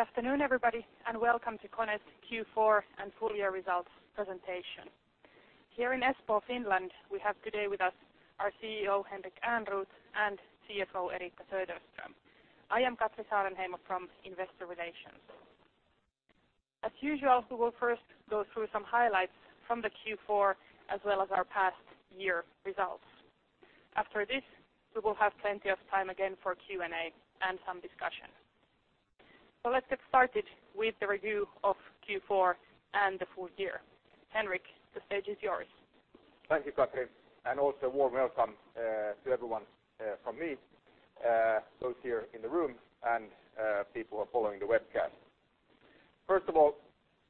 Good afternoon, everybody. Welcome to KONE's Q4 and full year results presentation. Here in Espoo, Finland, we have today with us our CEO, Henrik Ehrnrooth, and CFO, Eriikka Söderström. I am Katri Saarenheimo from Investor Relations. As usual, we will first go through some highlights from the Q4, as well as our past year results. After this, we will have plenty of time again for Q&A and some discussion. Let's get started with the review of Q4 and the full year. Henrik, the stage is yours. Thank you, Katri. Also warm welcome to everyone from me, those here in the room and people who are following the webcast. First of all,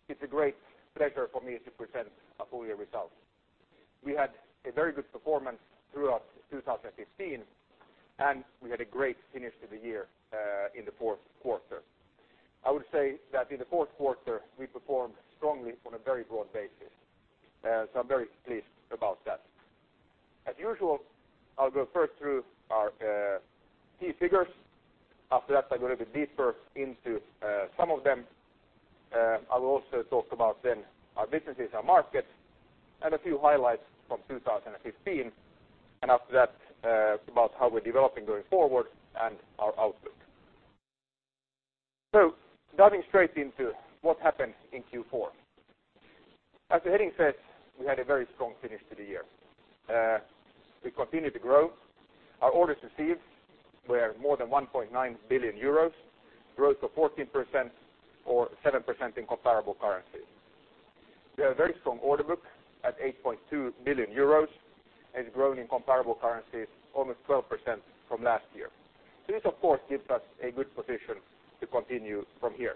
it's a great pleasure for me to present our full year results. We had a very good performance throughout 2015, and we had a great finish to the year in the fourth quarter. I would say that in the fourth quarter, we performed strongly on a very broad basis. I'm very pleased about that. As usual, I'll go first through our key figures. After that, I'll go a little bit deeper into some of them. I will also talk about then our businesses, our markets, and a few highlights from 2015. After that, about how we're developing going forward and our outlook. Diving straight into what happened in Q4. As the heading says, we had a very strong finish to the year. We continued to grow. Our orders received were more than 1.9 billion euros, growth of 14% or 7% in comparable currency. We have a very strong order book at 8.2 billion euros and growing in comparable currencies almost 12% from last year. This, of course, gives us a good position to continue from here.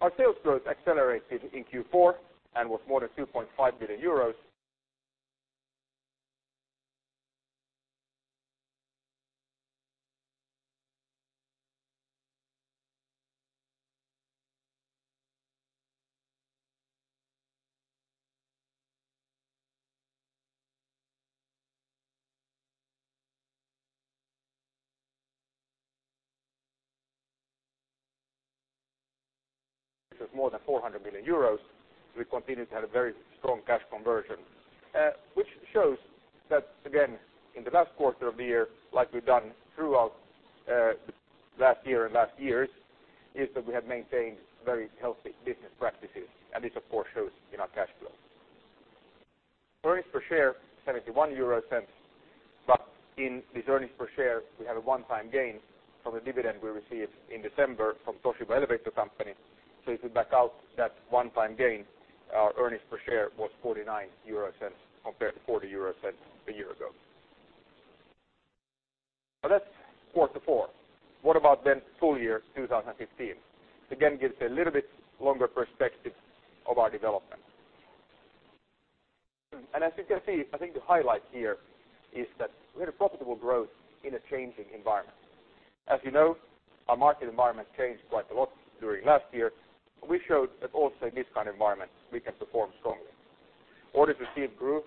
Our sales growth accelerated in Q4 and was more than 2.5 billion euros, which was more than 400 million euros. We continued to have a very strong cash conversion, which shows that, again, in the last quarter of the year, like we've done throughout last year and last years, is that we have maintained very healthy business practices, and this, of course, shows in our cash flow. Earnings per share, 0.71, but in this earnings per share, we have a one-time gain from a dividend we received in December from Toshiba Elevator company. If you back out that one-time gain, our earnings per share was 0.49 compared to 0.40 a year ago. That's quarter four. What about then full year 2015? Again, this gives a little bit longer perspective of our development. As you can see, I think the highlight here is that we had a profitable growth in a changing environment. As you know, our market environment changed quite a lot during last year. We showed that also in this kind of environment, we can perform strongly. Orders received grew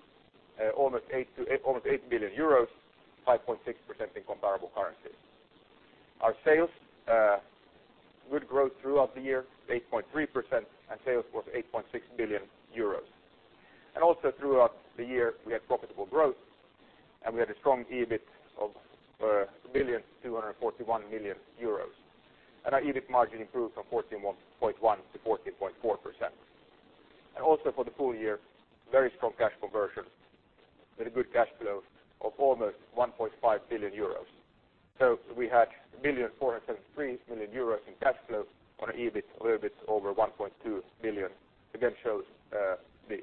almost 8 billion euros, 5.6% in comparable currency. Our sales, good growth throughout the year, 8.3%, and sales was 8.6 billion euros. Throughout the year, we had profitable growth. We had a strong EBIT of 1,241 million euros. Our EBIT margin improved from 14.1% to 14.4%. For the full year, very strong cash conversion with a good cash flow of almost 1.5 billion euros. We had 1,473 million euros in cash flow on an EBIT a little bit over 1.2 billion. Again, shows the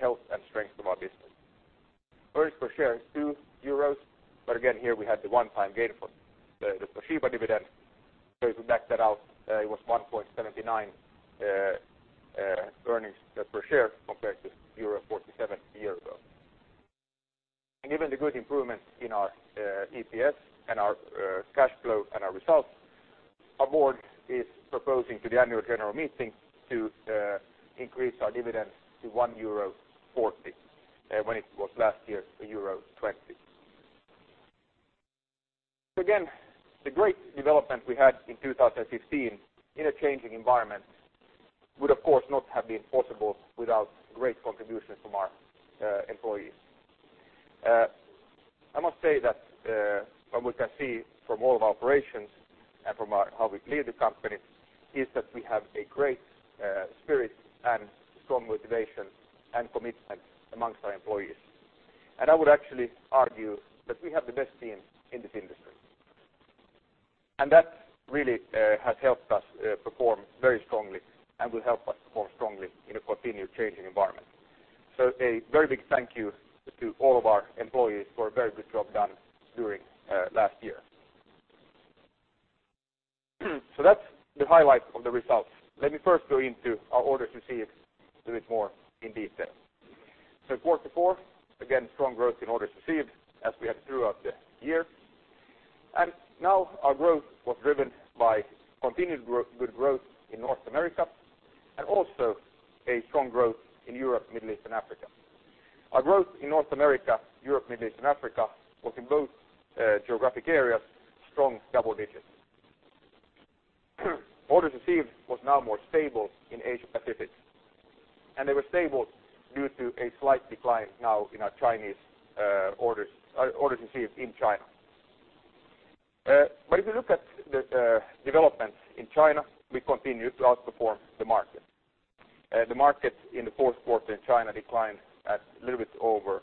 health and strength of our business. Earnings per share is 2 euros. Here we had the one-time gain from the Toshiba dividend. If we back that out, it was 1.79 earnings per share compared to euro 1.47 a year ago. Given the good improvements in our EPS and our cash flow and our results, our board is proposing to the annual general meeting to increase our dividend to 1.40 euro when it was last year euro 1.20. Again, the great development we had in 2015 in a changing environment would, of course, not have been possible without great contributions from our employees. I must say that what we can see from all of our operations and from how we lead the company is that we have a great spirit and strong motivation and commitment amongst our employees. I would actually argue that we have the best team in this industry. That really has helped us perform very strongly and will help us perform strongly in a continued changing environment. A very big thank you to all of our employees for a very good job done during last year. That's the highlight of the results. Let me first go into our orders received a bit more in detail. Quarter 4, again, strong growth in orders received as we had throughout the year. Now our growth was driven by continued good growth in North America and also a strong growth in Europe, Middle East, and Africa. Our growth in North America, Europe, Middle East, and Africa was in both geographic areas, strong double digits. Orders received was now more stable in Asia-Pacific. They were stable due to a slight decline now in our orders received in China. If you look at the developments in China, we continue to outperform the market. The market in the fourth quarter in China declined at a little bit more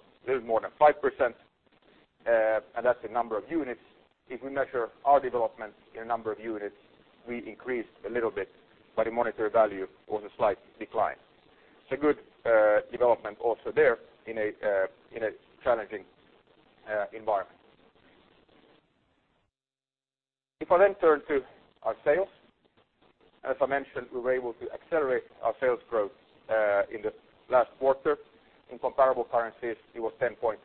than 5%, and that's the number of units. If we measure our development in a number of units, we increased a little bit, but in monetary value, it was a slight decline. It's a good development also there in a challenging environment. If I turn to our sales, as I mentioned, we were able to accelerate our sales growth in the last quarter. In comparable currencies, it was 10.8%.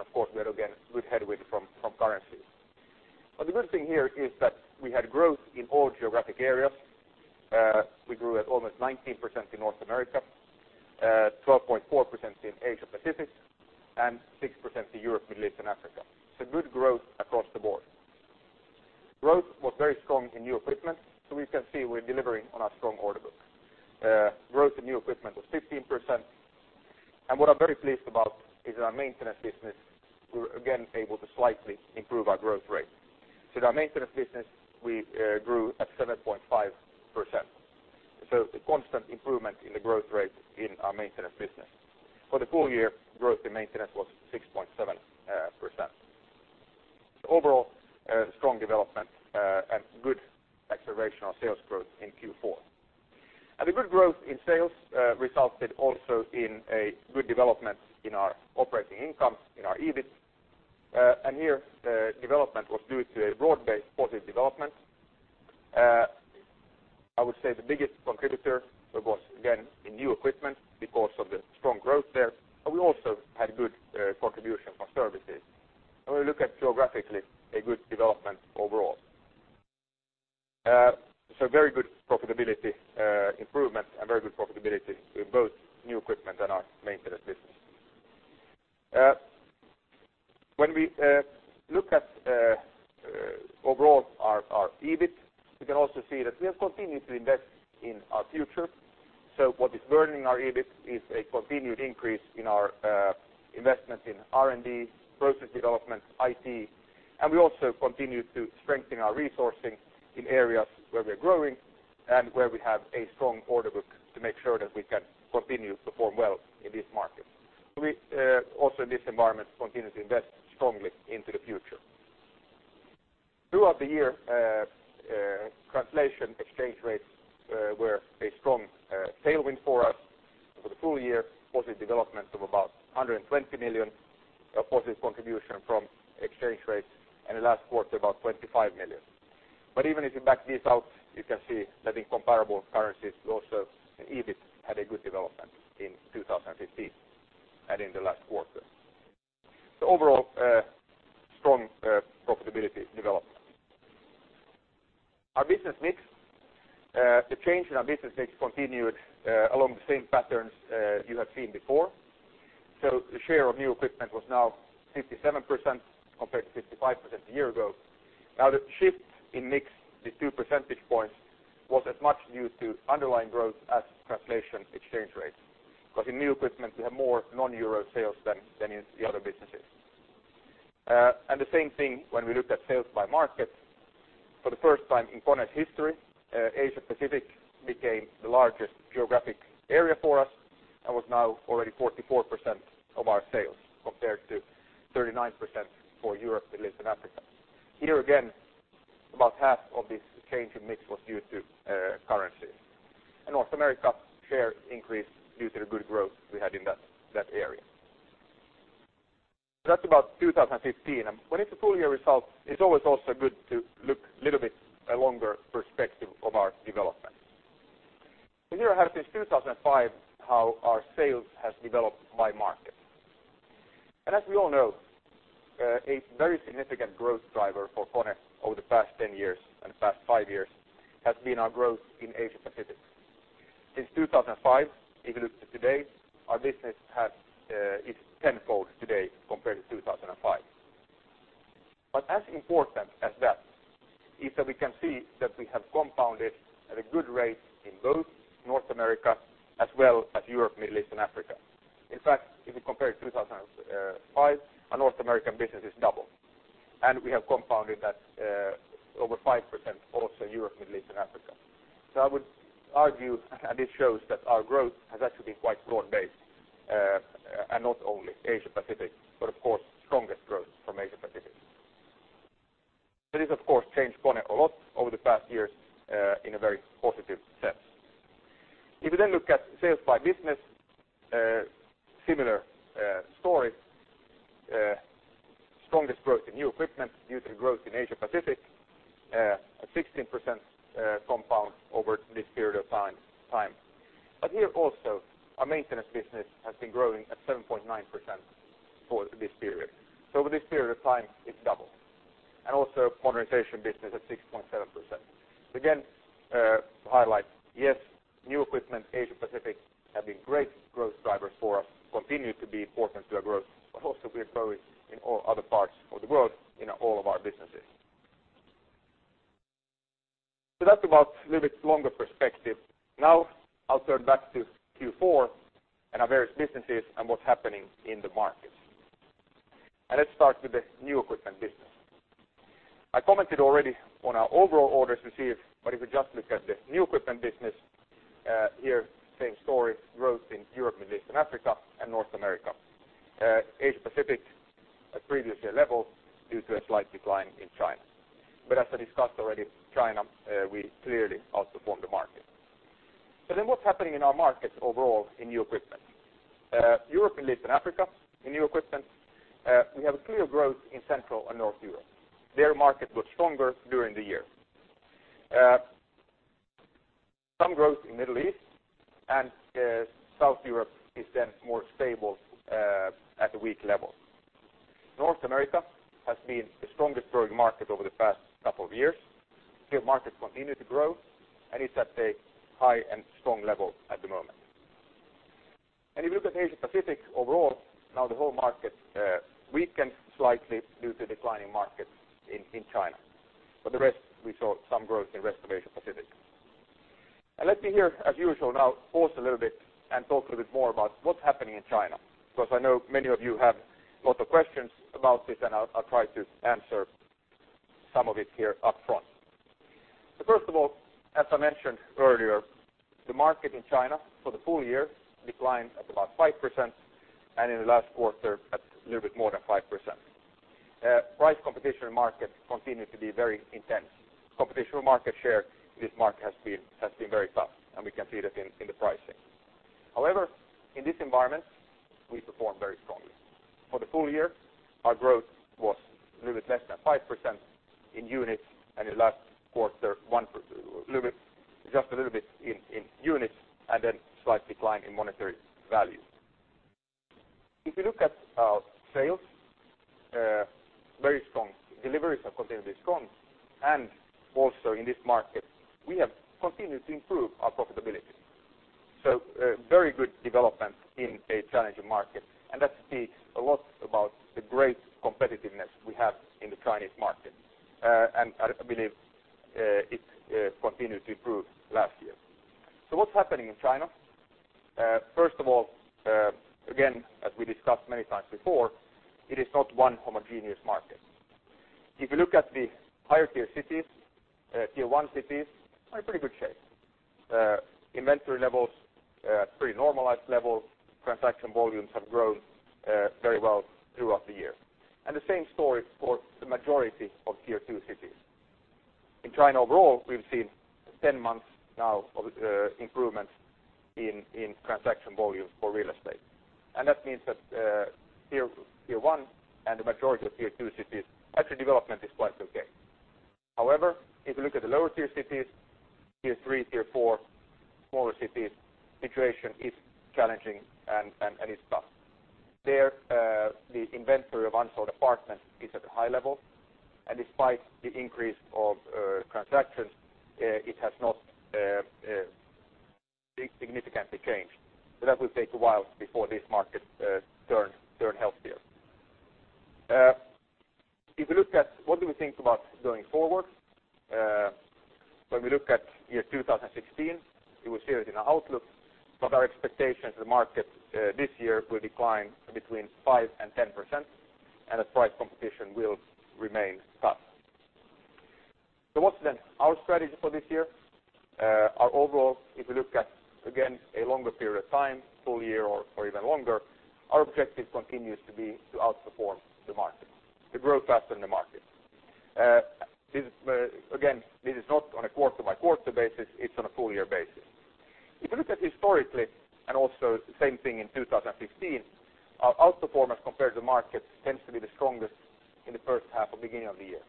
Of course, we had again good headwind from currencies. The good thing here is that we had growth in all geographic areas. We grew at almost 19% in North America, 12.4% in Asia-Pacific, and 6% in Europe, Middle East, and Africa. Good growth across the board. Growth was very strong in new equipment. We can see we're delivering on our strong order book. Growth in new equipment was 15%. What I'm very pleased about is in our maintenance business, we were again able to slightly improve our growth rate. In our maintenance business, we grew at 7.5%. A constant improvement in the growth rate in our maintenance business. For the full year, growth in maintenance was 6.7%. Overall, strong development and good acceleration of sales growth in Q4. The good growth in sales resulted also in a good development in our operating income, in our EBIT. Here, development was due to a broad-based positive development. I would say the biggest contributor was again in new equipment because of the strong growth there, but we also had good contribution from services. When we look at geographically, a good development overall. Very good profitability improvement and very good profitability in both new equipment and our maintenance business. When we look at overall our EBIT, we can also see that we have continued to invest in our future. What is burdening our EBIT is a continued increase in our investment in R&D, process development, IT, and we also continue to strengthen our resourcing in areas where we're growing and where we have a strong order book to make sure that we can continue to perform well in these markets. We also in this environment continue to invest strongly into the future. Throughout the year, translation exchange rates were a strong tailwind for us. Over the full year, positive development of about 120 million of positive contribution from exchange rates, and the last quarter about 25 million. Even if you back this out, you can see that in comparable currencies also, EBIT had a good development in 2015 and in the last quarter. Overall, strong profitability development. Our business mix. The change in our business mix continued along the same patterns you have seen before. The share of new equipment was now 57% compared to 55% a year ago. Now the shift in mix, the two percentage points, was as much due to underlying growth as translation exchange rates, because in new equipment, we have more non-euro sales than in the other businesses. The same thing when we looked at sales by market. For the first time in KONE's history, Asia-Pacific became the largest geographic area for us and was now already 44% of our sales, compared to 39% for Europe, Middle East, and Africa. Here again, about half of this change in mix was due to currency. North America share increased due to the good growth we had in that area. That's about 2015, and when it's a full year result, it's always also good to look little bit a longer perspective of our development. Here, since 2005, how our sales has developed by market. As we all know, a very significant growth driver for KONE over the past 10 years and the past five years has been our growth in Asia-Pacific. Since 2005, if you look to today, our business is tenfold today compared to 2005. As important as that is that we can see that we have compounded at a good rate in both North America as well as Europe, Middle East, and Africa. In fact, if you compare 2005, our North American business is double, and we have compounded that over 5% also Europe, Middle East, and Africa. I would argue, and it shows that our growth has actually been quite broad-based, and not only Asia-Pacific, but of course, strongest growth from Asia-Pacific. This has, of course, changed KONE a lot over the past years in a very positive sense. If you look at sales by business, similar story. Strongest growth in new equipment due to growth in Asia-Pacific, a 16% compound over this period of time. Here also, our maintenance business has been growing at 7.9% for this period. Over this period of time, it's double. Also modernization business at 6.7%. Again, to highlight, yes, new equipment, Asia-Pacific have been great growth drivers for us, continue to be important to our growth, but also we are growing in all other parts of the world in all of our businesses. That's about a little bit longer perspective. I'll turn back to Q4 and our various businesses and what's happening in the market. Let's start with the new equipment business. I commented already on our overall orders received, if we just look at the new equipment business, here same story, growth in Europe, Middle East, and Africa and North America. Asia-Pacific at previous year level due to a slight decline in China. As I discussed already, China, we clearly outperformed the market. What's happening in our markets overall in new equipment? Europe, Middle East, and Africa in new equipment, we have a clear growth in Central and North Europe. Their market was stronger during the year. Some growth in Middle East and South Europe is then more stable at a weak level. North America has been the strongest growing market over the past couple of years. Their market continue to grow, and it's at a high and strong level at the moment. If you look at Asia-Pacific overall, the whole market weakened slightly due to declining markets in China. For the rest, we saw some growth in rest of Asia-Pacific. Let me here, as usual, pause a little bit and talk a little bit more about what's happening in China because I know many of you have lot of questions about this, and I'll try to answer some of it here up front. First of all, as I mentioned earlier, the market in China for the full year declined at about 5% and in the last quarter at a little bit more than 5%. Price competition in market continued to be very intense. Competition for market share in this market has been very tough, and we can see that in the pricing. However, in this environment, we performed very strongly. For the full year, our growth was a little bit less than 5% in units and in the last quarter, just a little bit in units and then slight decline in monetary value. If you look at our sales, very strong. Deliveries have continued to be strong. Also in this market, we have continued to improve our profitability. Very good development in a challenging market, and that speaks a lot about the great competitiveness we have in the Chinese market. I believe it continued to improve last year. What's happening in China? First of all, again, as we discussed many times before, it is not one homogeneous market. If you look at the higher tier cities, tier 1 cities, are in pretty good shape. Inventory levels, pretty normalized levels. Transaction volumes have grown very well throughout the year. The same story for the majority of tier 2 cities. In China overall, we've seen 10 months now of improvement in transaction volume for real estate. That means that tier 1 and the majority of tier 2 cities, actually development is quite okay. However, if you look at the lower tier cities, tier 3, tier 4, smaller cities, situation is challenging and is tough. There, the inventory of unsold apartments is at a high level. Despite the increase of transactions, it has not significantly changed. That will take a while before this market turn healthier. If you look at what do we think about going forward? When we look at 2016, you will see it in our outlook, but our expectation is the market this year will decline between 5%-10%, and that price competition will remain tough. What's then our strategy for this year? Our overall, if you look at, again, a longer period of time, full year or even longer, our objective continues to be to outperform the market, to grow faster than the market. Again, this is not on a quarter-by-quarter basis, it's on a full-year basis. If you look at historically, also same thing in 2015, our outperformance compared to market tends to be the strongest in the first half or beginning of the year.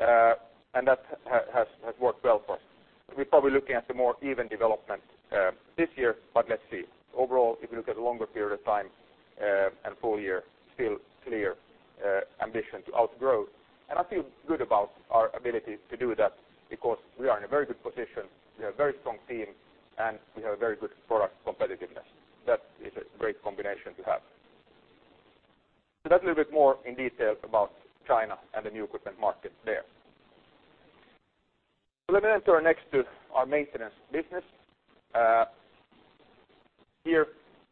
That has worked well for us. We're probably looking at a more even development this year, but let's see. Overall, if you look at a longer period of time and full year, still clear ambition to outgrow. I feel good about our ability to do that because we are in a very good position, we have very strong team, and we have a very good product competitiveness. That is a great combination to have. That's a little bit more in detail about China and the new equipment market there. Let me enter next to our maintenance business. Here,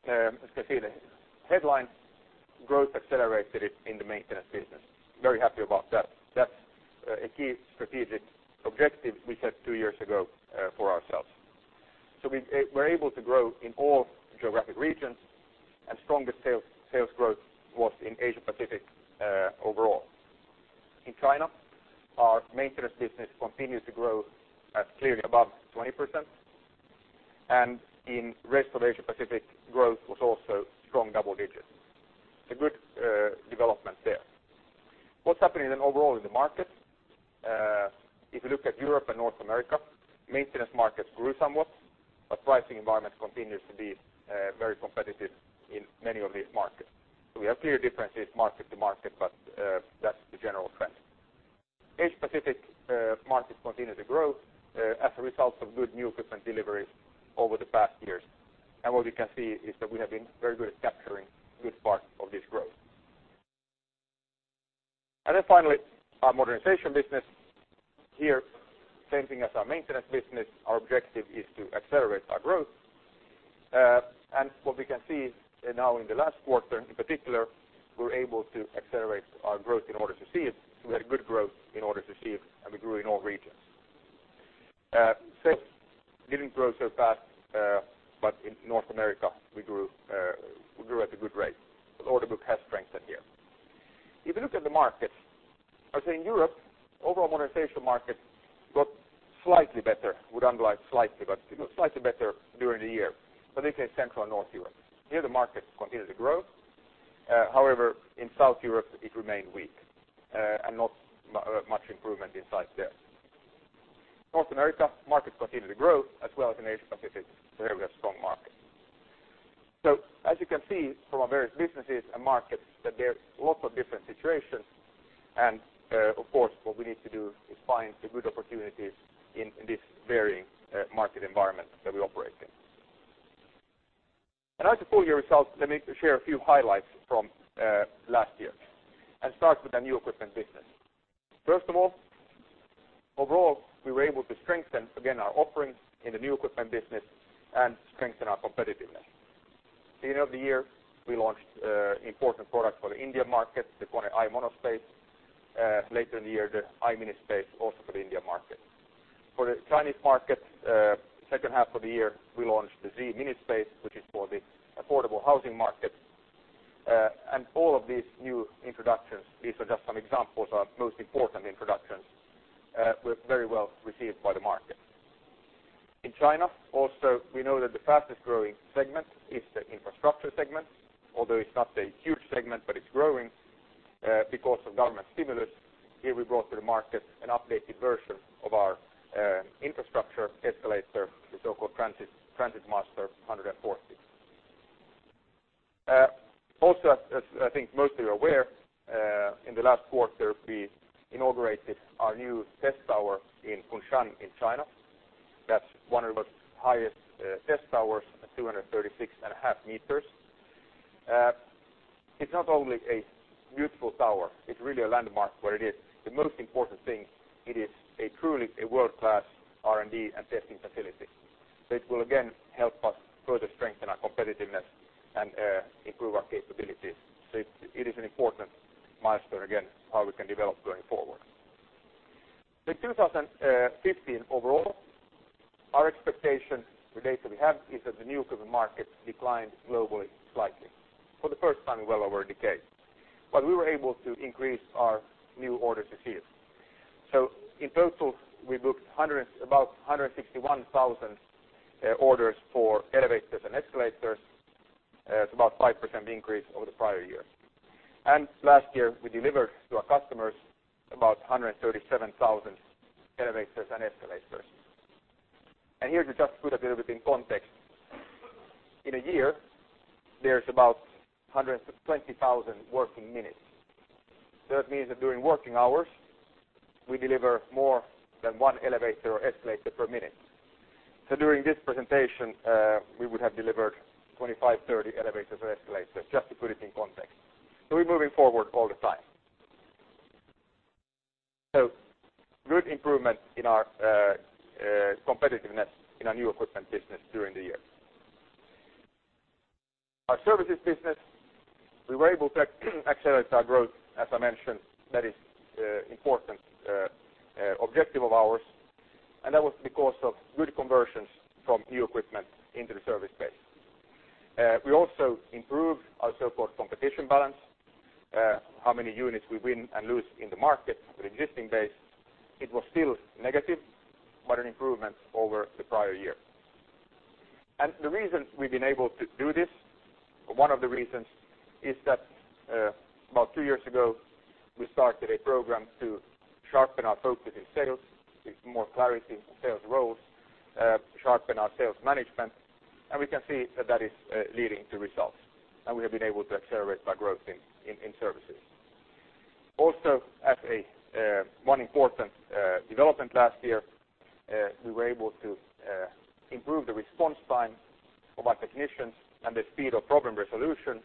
as you can see the headline growth accelerated in the maintenance business. Very happy about that. That's a key strategic objective we set two years ago for ourselves. We're able to grow in all geographic regions and strongest sales growth was in Asia-Pacific overall. In China, our maintenance business continues to grow at clearly above 20%, and in rest of Asia-Pacific, growth was also strong double digits. A good development there. What's happening then overall in the market? If you look at Europe and North America, maintenance markets grew somewhat, pricing environment continues to be very competitive in many of these markets. We have clear differences market to market, but that's the general trend. Asia Pacific markets continue to grow as a result of good new equipment deliveries over the past years. What we can see is that we have been very good at capturing good parts of this growth. Then finally, our modernization business. Here, same thing as our maintenance business, our objective is to accelerate our growth. What we can see now in the last quarter in particular, we're able to accelerate our growth in order to see it. We had good growth in order to see it, and we grew in all regions. Sales didn't grow so fast, but in North America we grew at a good rate. The order book has strengthened here. If you look at the markets, I'd say in Europe, overall modernization markets got slightly better. Would underline slightly, but slightly better during the year. This is Central and North Europe. Here the market continued to grow. In South Europe it remained weak, and not much improvement in sight there. North America market continued to grow as well as in Asia Pacific where we have strong markets. As you can see from our various businesses and markets, there's lots of different situations. Of course, what we need to do is find the good opportunities in this varying market environment that we operate in. As to full year results, let me share a few highlights from last year and start with the new equipment business. Overall, we were able to strengthen, again, our offerings in the new equipment business and strengthen our competitiveness. At the end of the year, we launched important products for the India market, the KONE I MonoSpace. Later in the year, the I MiniSpace also for the India market. For the Chinese market, second half of the year, we launched the Z MiniSpace which is for the affordable housing market. All of these new introductions, these are just some examples, our most important introductions, were very well received by the market. In China, also, we know that the fastest-growing segment is the infrastructure segment, although it's not a huge segment, but it's growing, because of government stimulus. Here we brought to the market an updated version of our infrastructure escalator, the so-called TransitMaster 140. As I think most of you are aware, in the last quarter we inaugurated our new test tower in Kunshan in China. That's one of the highest test towers at 236.5 meters. It's not only a beautiful tower; it's really a landmark. It is the most important thing, it is truly a world-class R&D and testing facility. It will again help us further strengthen our competitiveness and improve our capabilities. It is an important milestone again, how we can develop going forward. 2015 overall, our expectation, the data we have, is that the new equipment market declined globally, slightly, for the first time in well over a decade. We were able to increase our new order to sales. In total, we booked about 161,000 orders for elevators and escalators. It's about 5% increase over the prior year. Last year, we delivered to our customers about 137,000 elevators and escalators. Here to just put a bit of it in context, in a year, there's about 120,000 working minutes. That means that during working hours, we deliver more than one elevator or escalator per minute. During this presentation, we would have delivered 25, 30 elevators or escalators, just to put it in context. We're moving forward all the time. Good improvement in our competitiveness in our new equipment business during the year. Our services business, we were able to accelerate our growth. As I mentioned, that is important objective of ours, and that was because of good conversions from new equipment into the service base. We also improved our so-called competition balance; how many units we win and lose in the market with existing base. It was still negative, but an improvement over the prior year. The reason we've been able to do this, or one of the reasons, is that about two years ago, we started a program to sharpen our focus in sales with more clarity in sales roles, sharpen our sales management, and we can see that that is leading to results. We have been able to accelerate our growth in services. Also, as one important development last year, we were able to improve the response time of our technicians and the speed of problem resolution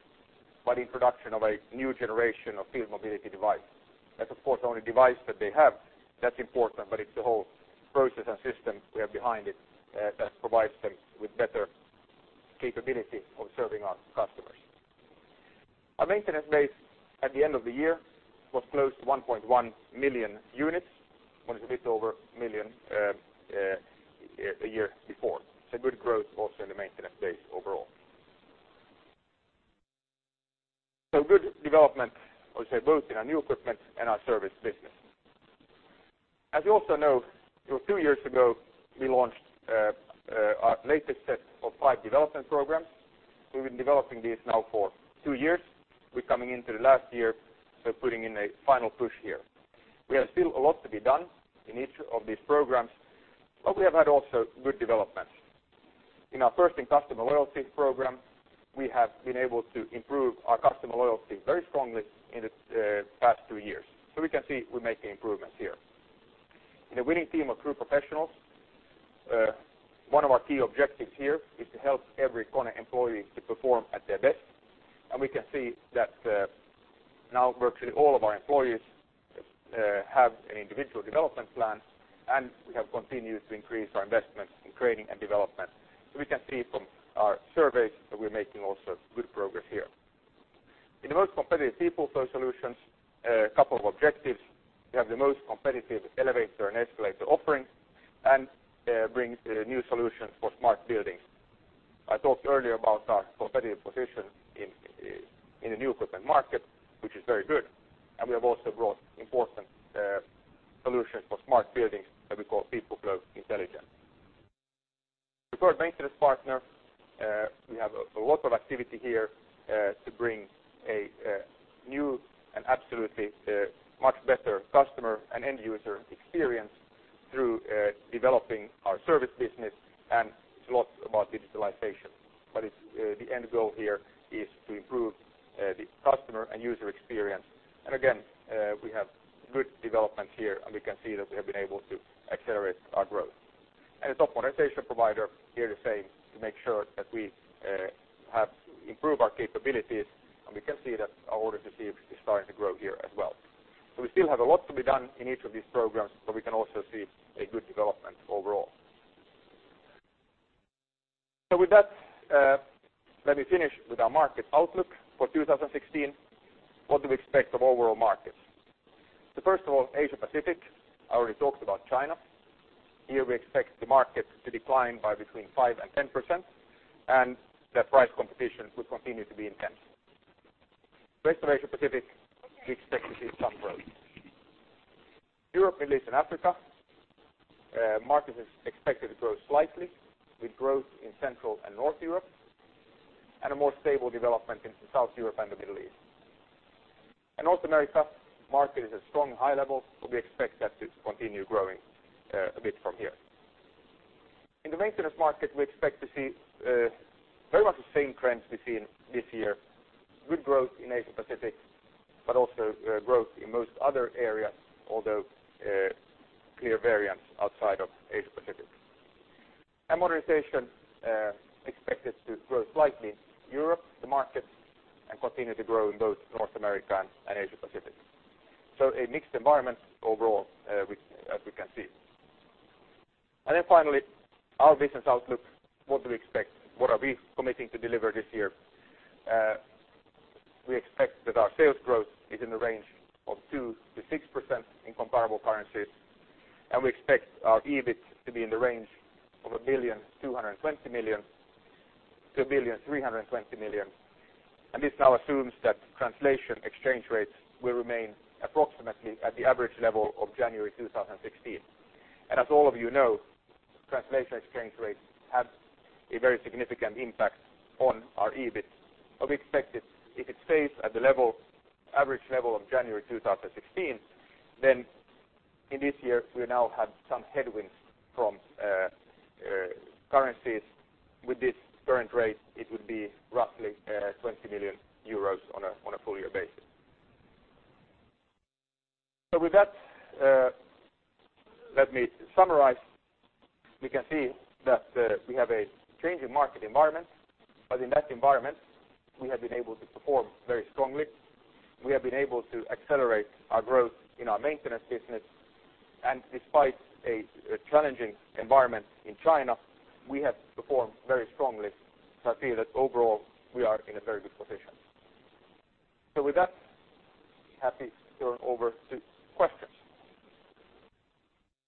by the introduction of a new generation of field mobility device. That's, of course, only device that they have, that's important, but it's the whole process and system we have behind it that provides them with better capability of serving our customers. Our maintenance base at the end of the year was close to 1.1 million units, when it's a bit over a million the year before. Good growth also in the maintenance base overall. Good development, I would say, both in our new equipment and our service business. As you also know, it was two years ago, we launched our latest set of five development programs. We've been developing this now for two years. We're coming into the last year, so putting in a final push here. We have still a lot to be done in each of these programs, but we have had also good developments. In our first in customer loyalty program, we have been able to improve our customer loyalty very strongly in the past two years. We can see we're making improvements here. In a winning team of true professionals, one of our key objectives here is to help every KONE employee to perform at their best, and we can see that now virtually all of our employees have an individual development plan, and we have continued to increase our investment in training and development. We can see from our surveys that we're making also good progress here. In the most competitive People Flow solutions, a couple of objectives, we have the most competitive elevator and escalator offerings and brings new solutions for smart buildings. I talked earlier about our competitive position in the new equipment market, which is very good, and we have also brought important solutions for smart buildings that we call People Flow Intelligence. Regarding our maintenance, we have a lot of activity here, to bring a new and absolutely much better customer and end-user experience through developing our service business and it's a lot about digitalization. The end goal here is to improve the customer and user experience. Again, we have good development here, and we can see that we have been able to accelerate our growth. Top Modernization Provider, here the same, to make sure that we have improved our capabilities, and we can see that our order to see if it's starting to grow here as well. We still have a lot to be done in each of these programs, but we can also see a good development overall. With that, let me finish with our market outlook for 2016. What do we expect of overall markets? First of all, Asia-Pacific, I already talked about China. Here we expect the market to decline by between 5% and 10%, and that price competition will continue to be intense. Greater Asia-Pacific, we expect to see some growth. Europe, Middle East, and Africa, markets is expected to grow slightly with growth in Central and North Europe, and a more stable development in South Europe and the Middle East. North America market is at strong high levels, so we expect that to continue growing a bit from here. In the maintenance market, we expect to see very much the same trends we've seen this year. Good growth in Asia-Pacific, but also growth in most other areas, although clear variance outside of Asia-Pacific. Modernization expected to grow slightly. Europe, the market, and continue to grow in both North America and Asia-Pacific. A mixed environment overall, as we can see. Then finally, our business outlook, what do we expect? What are we committing to deliver this year? We expect that our sales growth is in the range of 2%-6% in comparable currencies, and we expect our EBIT to be in the range of 1.22 billion-1.32 billion. This now assumes that translation exchange rates will remain approximately at the average level of January 2016. As all of you know, translation exchange rates have a very significant impact on our EBIT. We expect it, if it stays at the average level of January 2016, then in this year, we now have some headwinds from currencies. With this current rate, it would be roughly 20 million euros on a full year basis. With that, let me summarize. We can see that we have a change in market environment, but in that environment, we have been able to perform very strongly. We have been able to accelerate our growth in our maintenance business. Despite a challenging environment in China, we have performed very strongly. I feel that overall, we are in a very good position. With that, happy to turn over to questions.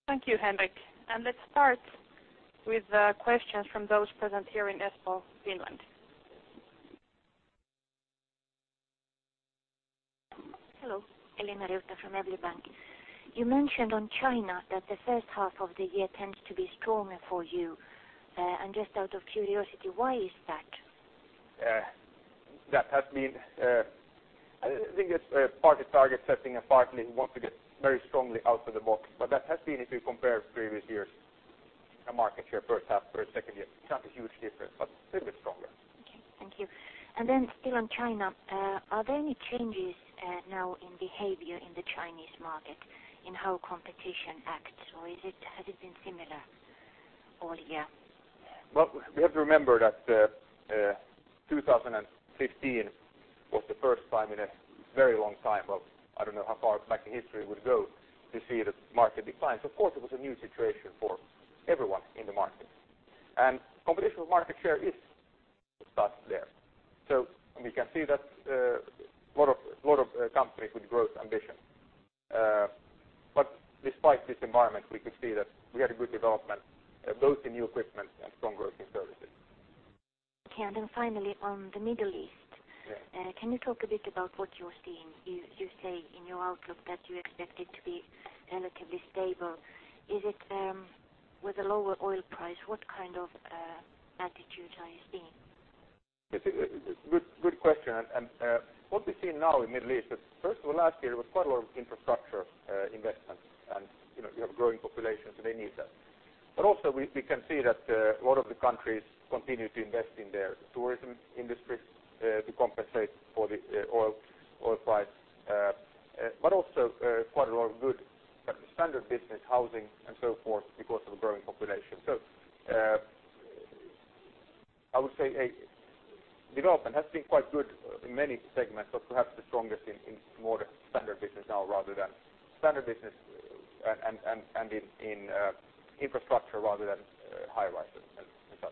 Thank you, Henrik. Let's start with questions from those present here in Espoo, Finland. Hello. Elena Riutta from Evli Bank. You mentioned on China that the first half of the year tends to be stronger for you. Just out of curiosity, why is that? I think it's partly target setting and partly want to get very strongly out of the box. That has been, if you compare previous years, a market share first half, first second year. It's not a huge difference, little bit stronger. Okay. Thank you. Still on China, are there any changes now in behavior in the Chinese market in how competition acts, or has it been similar all year? Well, we have to remember that 2015 was the first time in a very long time of, I don't know how far back in history it would go to see the market decline. Of course, it was a new situation for everyone in the market. Competition for market share is tough there. We can see that a lot of companies with growth ambition. Despite this environment, we could see that we had a good development both in new equipment and strong growth in services. Okay. Finally on the Middle East. Can you talk a bit about what you're seeing? You say in your outlook that you expect it to be relatively stable. With a lower oil price, what kind of attitudes are you seeing? Good question. What we're seeing now in Middle East is, first of all, last year there was quite a lot of infrastructure investment and you have a growing population, so they need that. Also, we can see that a lot of the countries continue to invest in their tourism industries to compensate for the oil price. Also, quite a lot of good standard business housing and so forth because of the growing population. I would say development has been quite good in many segments, but perhaps the strongest in more standard business now and in infrastructure rather than high rises and such.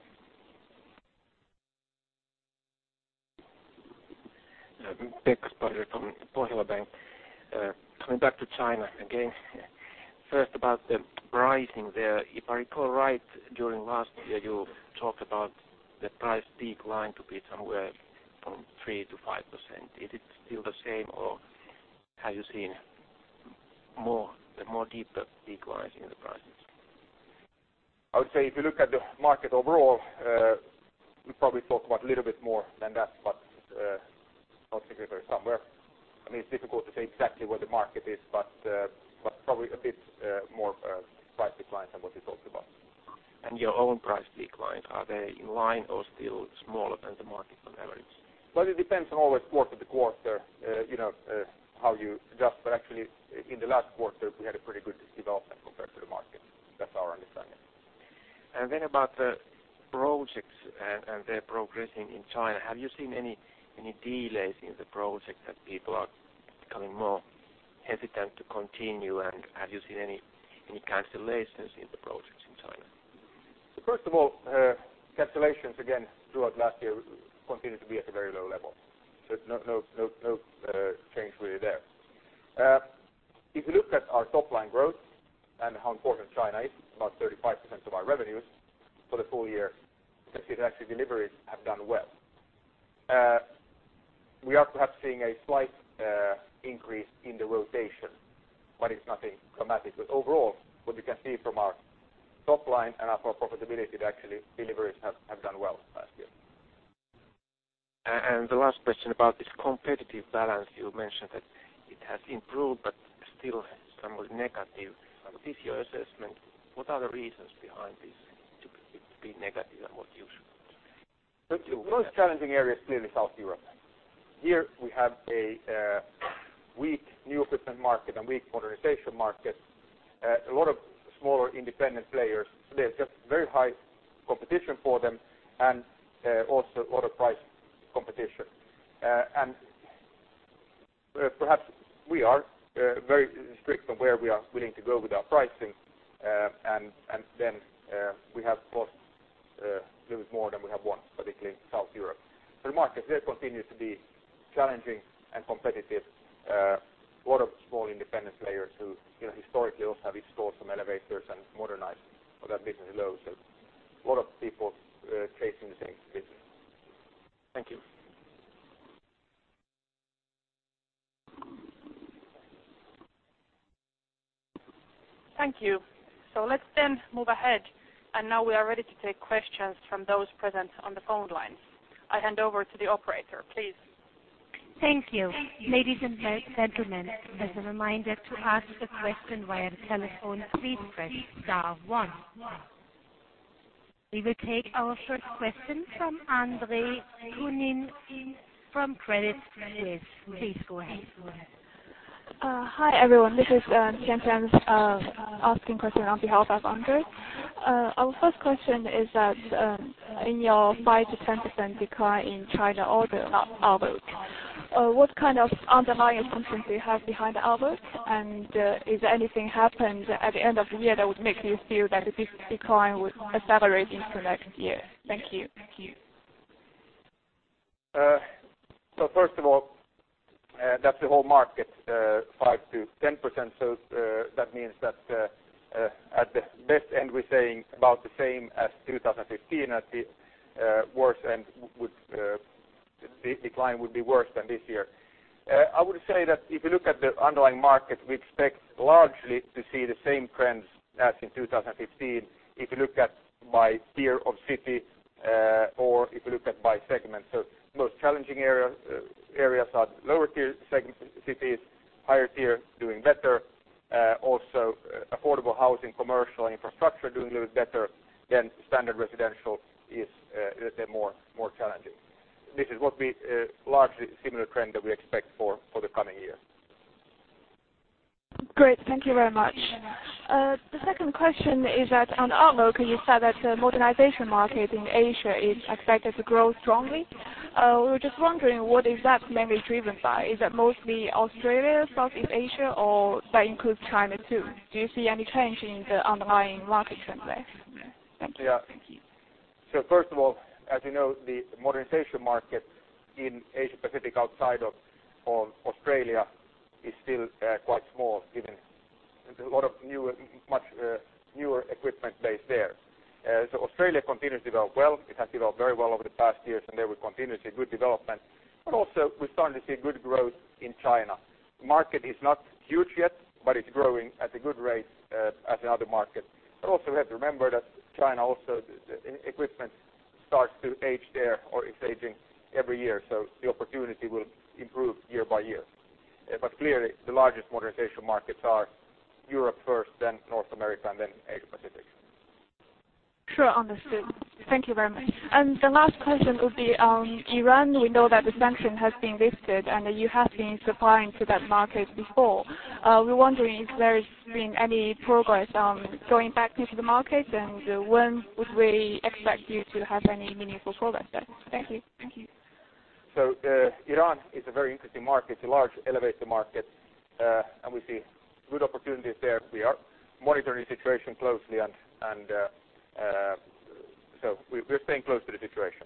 Pekka Spolander from Pohjola Bank. Coming back to China again. First about the pricing there. If I recall right, during last year you talked about the price decline to be somewhere from 3%-5%. Is it still the same, or have you seen a deeper decline in the prices? I would say if you look at the market overall, we probably talk about a little bit more than that, but not significantly somewhere. It's difficult to say exactly where the market is, but probably a bit more price decline than what we talked about. Your own price decline, are they in line or still smaller than the market on average? It depends on always quarter to quarter, how you adjust. Actually, in the last quarter, we had a pretty good development compared to the market. That's our understanding. About the projects and their progressing in China. Have you seen any delays in the projects that people are becoming more hesitant to continue? Have you seen any cancellations in the projects in China? First of all, cancellations again throughout last year continued to be at a very low level. No change really there. If you look at our top-line growth and how important China is, about 35% of our revenues for the full year, you can see that actually deliveries have done well. We are perhaps seeing a slight increase in the rotation, it's nothing dramatic. Overall, what you can see from our top line and our profitability, that actually deliveries have done well last year. The last question about this competitive balance, you mentioned that it has improved but still somewhat negative. This year assessment, what are the reasons behind this to be negative and what you The most challenging area is clearly South Europe. Here we have a weak new equipment market and weak modernization market. A lot of smaller independent players. There's just very high competition for them and also a lot of price competition. Perhaps we are very strict on where we are willing to go with our pricing. Then we have lost a little bit more than we have won, particularly in South Europe. The market there continues to be challenging and competitive. A lot of small independent players who historically also have installed some elevators and modernized, but that business is low. A lot of people chasing the same business. Thank you. Thank you. Let's then move ahead, now we are ready to take questions from those present on the phone lines. I hand over to the operator, please. Thank you. Ladies and gentlemen, as a reminder to ask a question via telephone, please press star one. We will take our first question from Andre Kukhnin from Credit Suisse. Please go ahead. Hi, everyone. This is Tian Tian asking question on behalf of Andre. Our first question is that in your 5%-10% decline in China orders, what kind of underlying assumptions do you have behind the orders, and if anything happens at the end of the year that would make you feel that the decline would accelerate into next year? Thank you. First of all, that's the whole market, 5%-10%. That means that at the best end, we're saying about the same as 2015. At the worse end, the decline would be worse than this year. I would say that if you look at the underlying market, we expect largely to see the same trends as in 2015, if you look at by tier of city or if you look at by segment. Most challenging areas are lower tier cities, higher tier doing better. Also affordable housing, commercial, infrastructure doing a little bit better than standard residential is a bit more challenging. This is what we largely similar trend that we expect for the coming year. Great. Thank you very much. The second question is that on outlook, you said that the modernization market in Asia is expected to grow strongly. We were just wondering what is that mainly driven by? Is that mostly Australia, Southeast Asia, or that includes China, too? Do you see any change in the underlying market trend there? Thank you. First of all, as you know, the modernization market in Asia Pacific outside of Australia is still quite small given There's a lot of much newer equipment base there. Australia continues to develop well. It has developed very well over the past years, and there we continue to see good development. Also we're starting to see good growth in China. The market is not huge yet, but it's growing at a good rate as another market. Also we have to remember that China also, the equipment starts to age there or is aging every year, so the opportunity will improve year by year. Clearly, the largest modernization markets are Europe first, then North America, and then Asia-Pacific. Sure. Understood. Thank you very much. The last question would be on Iran. We know that the sanction has been lifted, and you have been supplying to that market before. We're wondering if there's been any progress on going back into the market, and when would we expect you to have any meaningful progress there? Thank you. Iran is a very interesting market, a large elevator market, and we see good opportunities there. We are monitoring the situation closely, and we're staying close to the situation.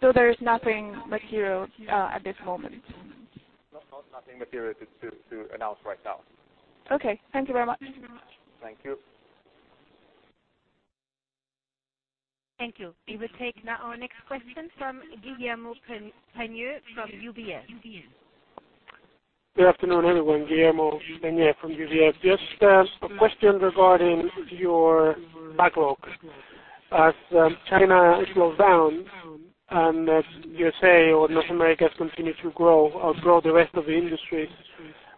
There is nothing material at this moment? No, nothing material to announce right now. Okay. Thank you very much. Thank you. Thank you. We will take now our next question from Guillermo Peigneux from UBS. Good afternoon, everyone. Guillermo Peigneux from UBS. Just a question regarding your backlog. As China slows down as USA or North America continue to grow or outgrow the rest of the industry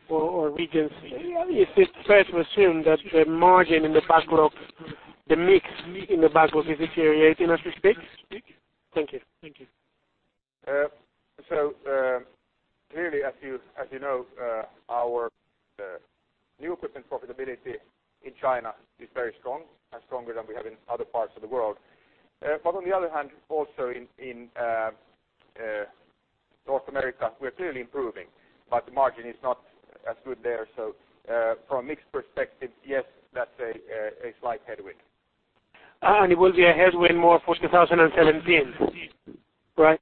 or regions, is it fair to assume that the margin in the backlog, the mix in the backlog is deteriorating as we speak? Thank you. Clearly, as you know, our new equipment profitability in China is very strong and stronger than we have in other parts of the world. On the other hand, also in North America, we're clearly improving, but the margin is not as good there. From a mix perspective, yes, that's a slight headwind. It will be a headwind more 2017, right?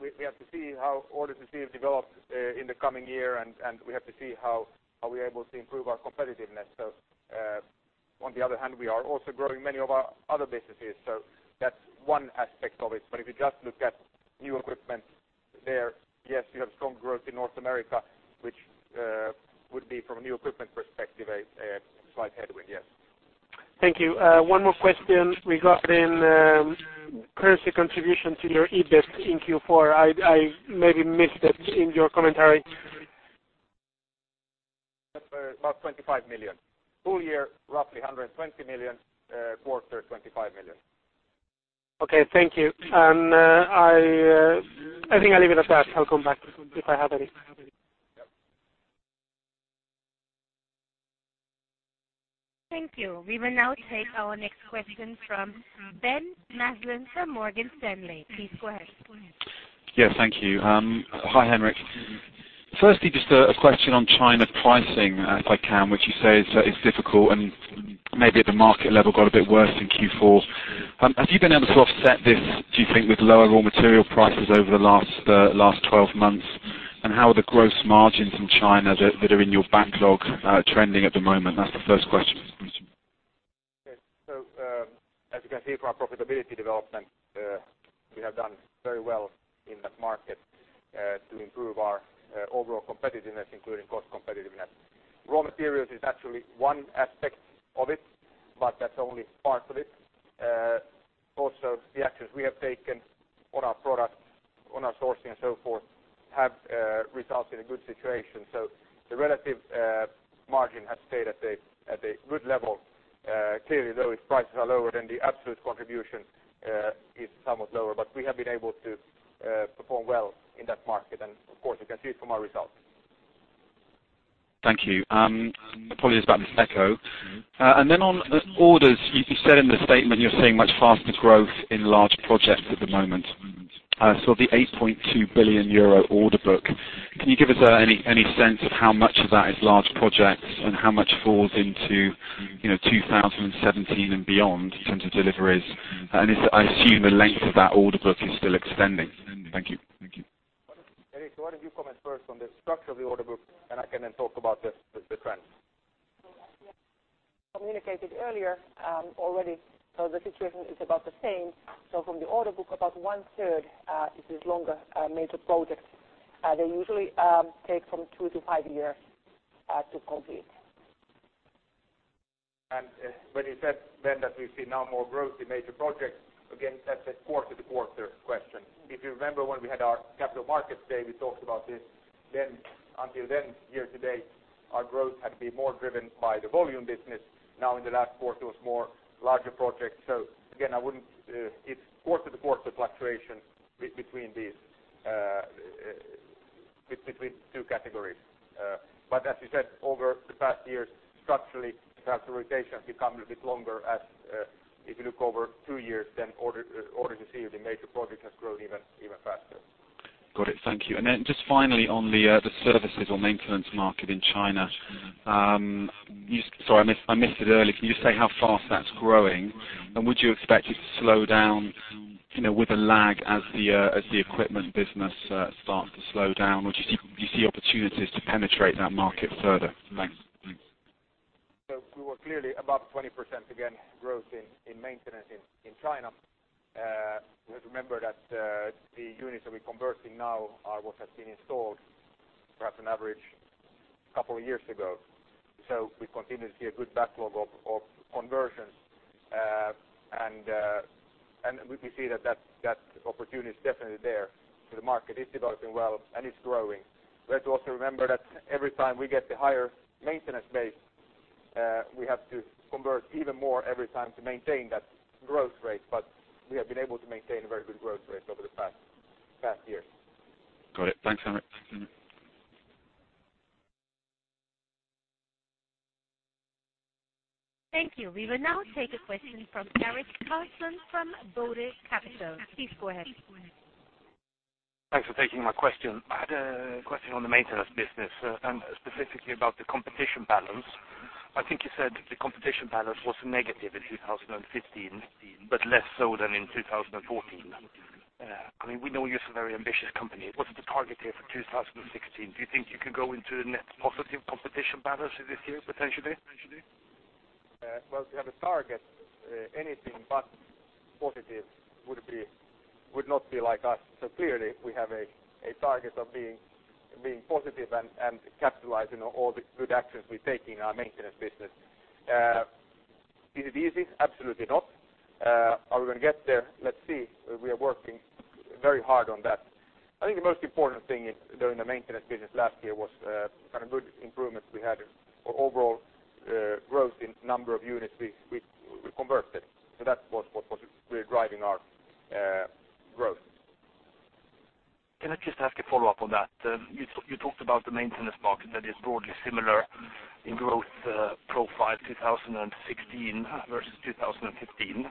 We have to see how order to see it develop in the coming year, and we have to see how we're able to improve our competitiveness. On the other hand, we are also growing many of our other businesses, so that's one aspect of it. If you just look at new equipment there, yes, you have strong growth in North America, which would be, from a new equipment perspective, a slight headwind, yes. Thank you. One more question regarding currency contribution to your EBIT in Q4. I maybe missed it in your commentary. About 25 million. Full year, roughly 120 million; quarter, 25 million. Okay, thank you. I think I'll leave it at that. I'll come back if I have any. Thank you. We will now take our next question from Ben Maslen from Morgan Stanley. Please go ahead. Yes, thank you. Hi, Henrik. Just a question on China pricing, if I can, which you say is difficult and maybe at the market level got a bit worse in Q4. Have you been able to offset this, do you think, with lower raw material prices over the last 12 months? How are the gross margins in China that are in your backlog trending at the moment? That's the first question. Okay. As you can see from our profitability development, we have done very well in that market to improve our overall competitiveness, including cost competitiveness. Raw materials is actually one aspect of it, that's only part of it. Also, the actions we have taken on our products, on our sourcing, and so forth, have resulted in a good situation. The relative margin has stayed at a good level. Clearly, though, if prices are lower, the absolute contribution is somewhat lower. We have been able to perform well in that market, and of course, you can see it from our results. Thank you. Apologies about this echo. On orders, you said in the statement you're seeing much faster growth in large projects at the moment. The 8.2 billion euro order book, can you give us any sense of how much of that is large projects and how much falls into 2017 and beyond in terms of deliveries? I assume the length of that order book is still extending. Thank you. Terhi, why don't you comment first on the structure of the order book, I can then talk about the trends. As we have communicated earlier already, the situation is about the same. From the order book, about one-third is these longer major projects. They usually take from two to five years to complete. When you said, Ben, that we see now more growth in major projects, again, that's a quarter-to-quarter question. If you remember when we had our capital markets day, we talked about this then. Until then, year-to-date, our growth had been more driven by the volume business. Now in the last quarter, it was more larger projects. Again, it's quarter-to-quarter fluctuation between two categories. As you said, over the past years, structurally, the categorization has become a bit longer as if you look over two years, orders you see with the major projects has grown even faster. Got it. Thank you. Then just finally on the services or maintenance market in China. Sorry, I missed it earlier. Can you say how fast that's growing, and would you expect it to slow down? With a lag as the equipment business starts to slow down, or do you see opportunities to penetrate that market further? Thanks. We were clearly above 20% again growth in maintenance in China. You have to remember that the units that we're converting now are what have been installed, perhaps on average, a couple of years ago. We continue to see a good backlog of conversions. We see that opportunity is definitely there. The market is developing well and it's growing. We have to also remember that every time we get the higher maintenance base, we have to convert even more every time to maintain that growth rate. We have been able to maintain a very good growth rate over the past year. Got it. Thanks, Henrik. Thank you. We will now take a question from Eric Carlsson from BODE Capital. Please go ahead. Thanks for taking my question. I had a question on the maintenance business, specifically about the competition balance. I think you said the competition balance was negative in 2015, less so than in 2014. We know you're a very ambitious company. What is the target here for 2016? Do you think you can go into the net positive competition balance this year, potentially? Well, if we have a target, anything but positive would not be like us. Clearly, we have a target of being positive and capitalizing on all the good actions we take in our maintenance business. Is it easy? Absolutely not. Are we going to get there? Let's see. We are working very hard on that. I think the most important thing during the maintenance business last year was the good improvements we had or overall growth in the number of units we converted. That was what was really driving our growth. Can I just ask a follow-up on that? You talked about the maintenance market that is broadly similar in growth profile 2016 versus 2015.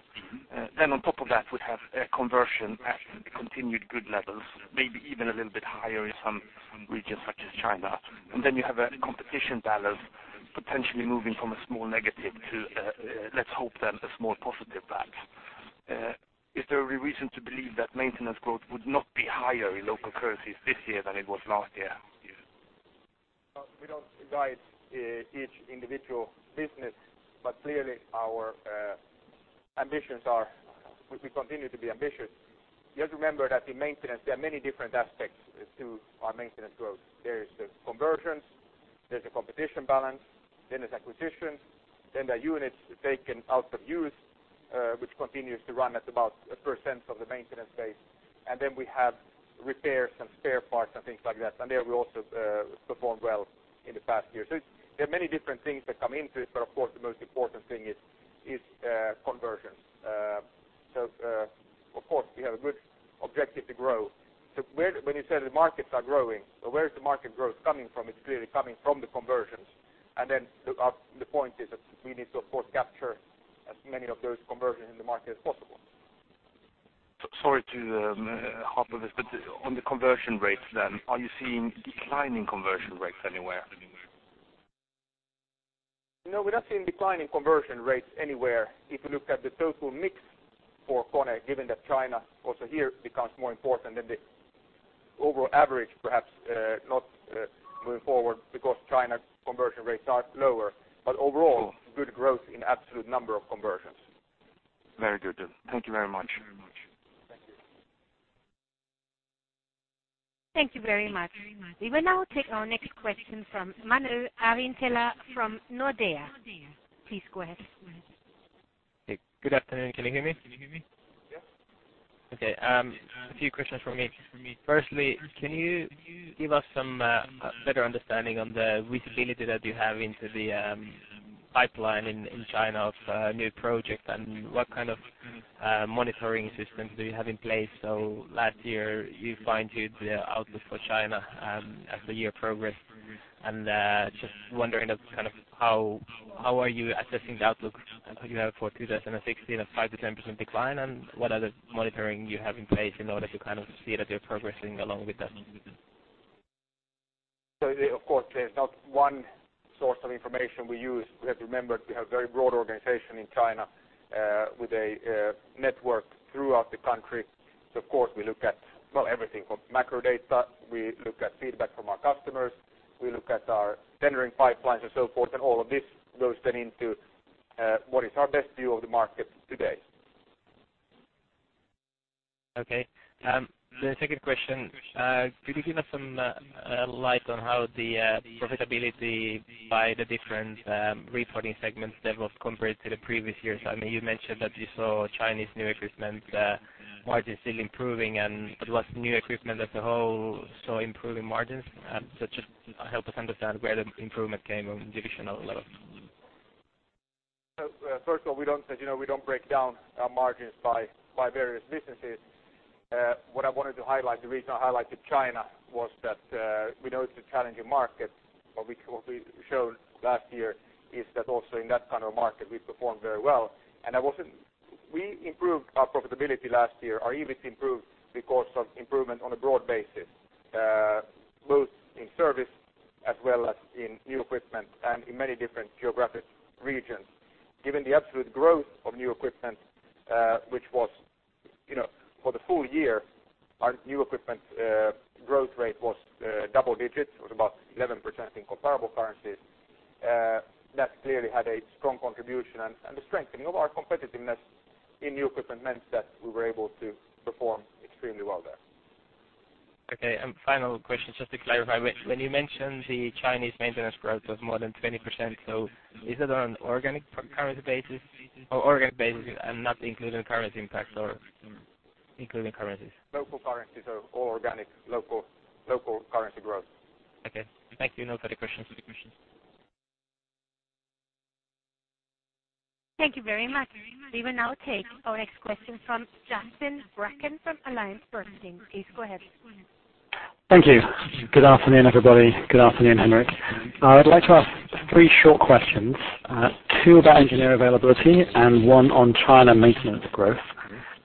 On top of that, we have conversion at continued good levels, maybe even a little bit higher in some regions such as China. You have a competition balance potentially moving from a small negative to, let's hope, a small positive back. Is there a reason to believe that maintenance growth would not be higher in local currencies this year than it was last year? We don't guide each individual business, clearly our ambitions are, we continue to be ambitious. You have to remember that in maintenance, there are many different aspects to our maintenance growth. There's the conversions, there's the competition balance, there's acquisitions, there are units taken out of use, which continues to run at about 1% of the maintenance base. We have repairs and spare parts and things like that. There we also performed well in the past year. There are many different things that come into it, but of course, the most important thing is conversion. Of course, we have a good objective to grow. When you say the markets are growing, where is the market growth coming from? It's clearly coming from the conversions. The point is that we need to, of course, capture as many of those conversions in the market as possible. Sorry to harp on this, on the conversion rates then, are you seeing declining conversion rates anywhere? No, we're not seeing declining conversion rates anywhere. If you look at the total mix for KONE, given that China also here becomes more important than the overall average, perhaps not moving forward because China conversion rates are lower, but overall, good growth in absolute number of conversions. Very good. Thank you very much. Thank you. Thank you very much. We will now take our next question from Manu Yrttiaho from Nordea. Please go ahead. Good afternoon. Can you hear me? Yes. Okay. A few questions from me. Firstly, can you give us some better understanding on the visibility that you have into the pipeline in China of new projects and what kind of monitoring systems do you have in place? Last year, you fine-tuned the outlook for China as the year progressed. Just wondering how are you assessing the outlook you have for 2016, a 5%-10% decline, and what other monitoring you have in place in order to see that you're progressing along with that? Of course, there's not one source of information we use. We have to remember we have a very broad organization in China with a network throughout the country. Of course, we look at everything from macro data, we look at feedback from our customers, we look at our tendering pipelines and so forth, all of this goes then into what is our best view of the market today. Okay. The second question, could you give us some light on how the profitability by the different reporting segments developed compared to the previous years? I mean, you mentioned that you saw Chinese new equipment margins still improving, and it was new equipment as a whole saw improving margins. Just help us understand where the improvement came on divisional levels. First of all, as you know, we don't break down our margins by various businesses. What I wanted to highlight, the reason I highlighted China was that we know it's a challenging market, but what we showed last year is that also in that kind of market, we performed very well. We improved our profitability last year, our EBIT improved because of improvement on a broad basis, both in service as well as in new equipment and in many different geographic regions. Given the absolute growth of new equipment, which was for the full year, our new equipment growth rate was double digits. It was about 11% in comparable currencies. That clearly had a strong contribution, the strengthening of our competitiveness in new equipment meant that we were able to perform extremely well there. Okay, final question, just to clarify, when you mentioned the Chinese maintenance growth was more than 20%, is that on organic currency basis? Organic basis and not including currency impact or including currencies? Local currency, all organic local currency growth. Okay. Thank you. No further questions. Thank you very much. We will now take our next question from Justin Bracken from AllianceBernstein. Please go ahead. Thank you. Good afternoon, everybody. Good afternoon, Henrik. I'd like to ask three short questions, two about engineer availability and one on China maintenance growth.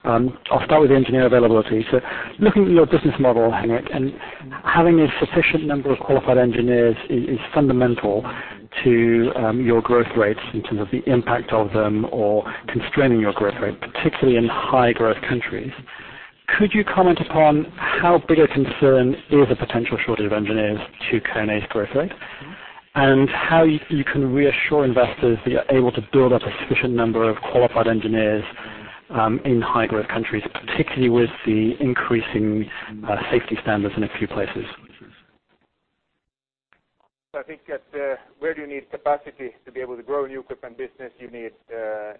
I'll start with engineer availability. Looking at your business model, Henrik, and having a sufficient number of qualified engineers is fundamental to your growth rates in terms of the impact of them or constraining your growth rate, particularly in high-growth countries. Could you comment upon how big a concern is a potential shortage of engineers to KONE's growth rate? And how you can reassure investors that you're able to build up a sufficient number of qualified engineers in high-growth countries, particularly with the increasing safety standards in a few places. I think that where you need capacity to be able to grow a new equipment business, you need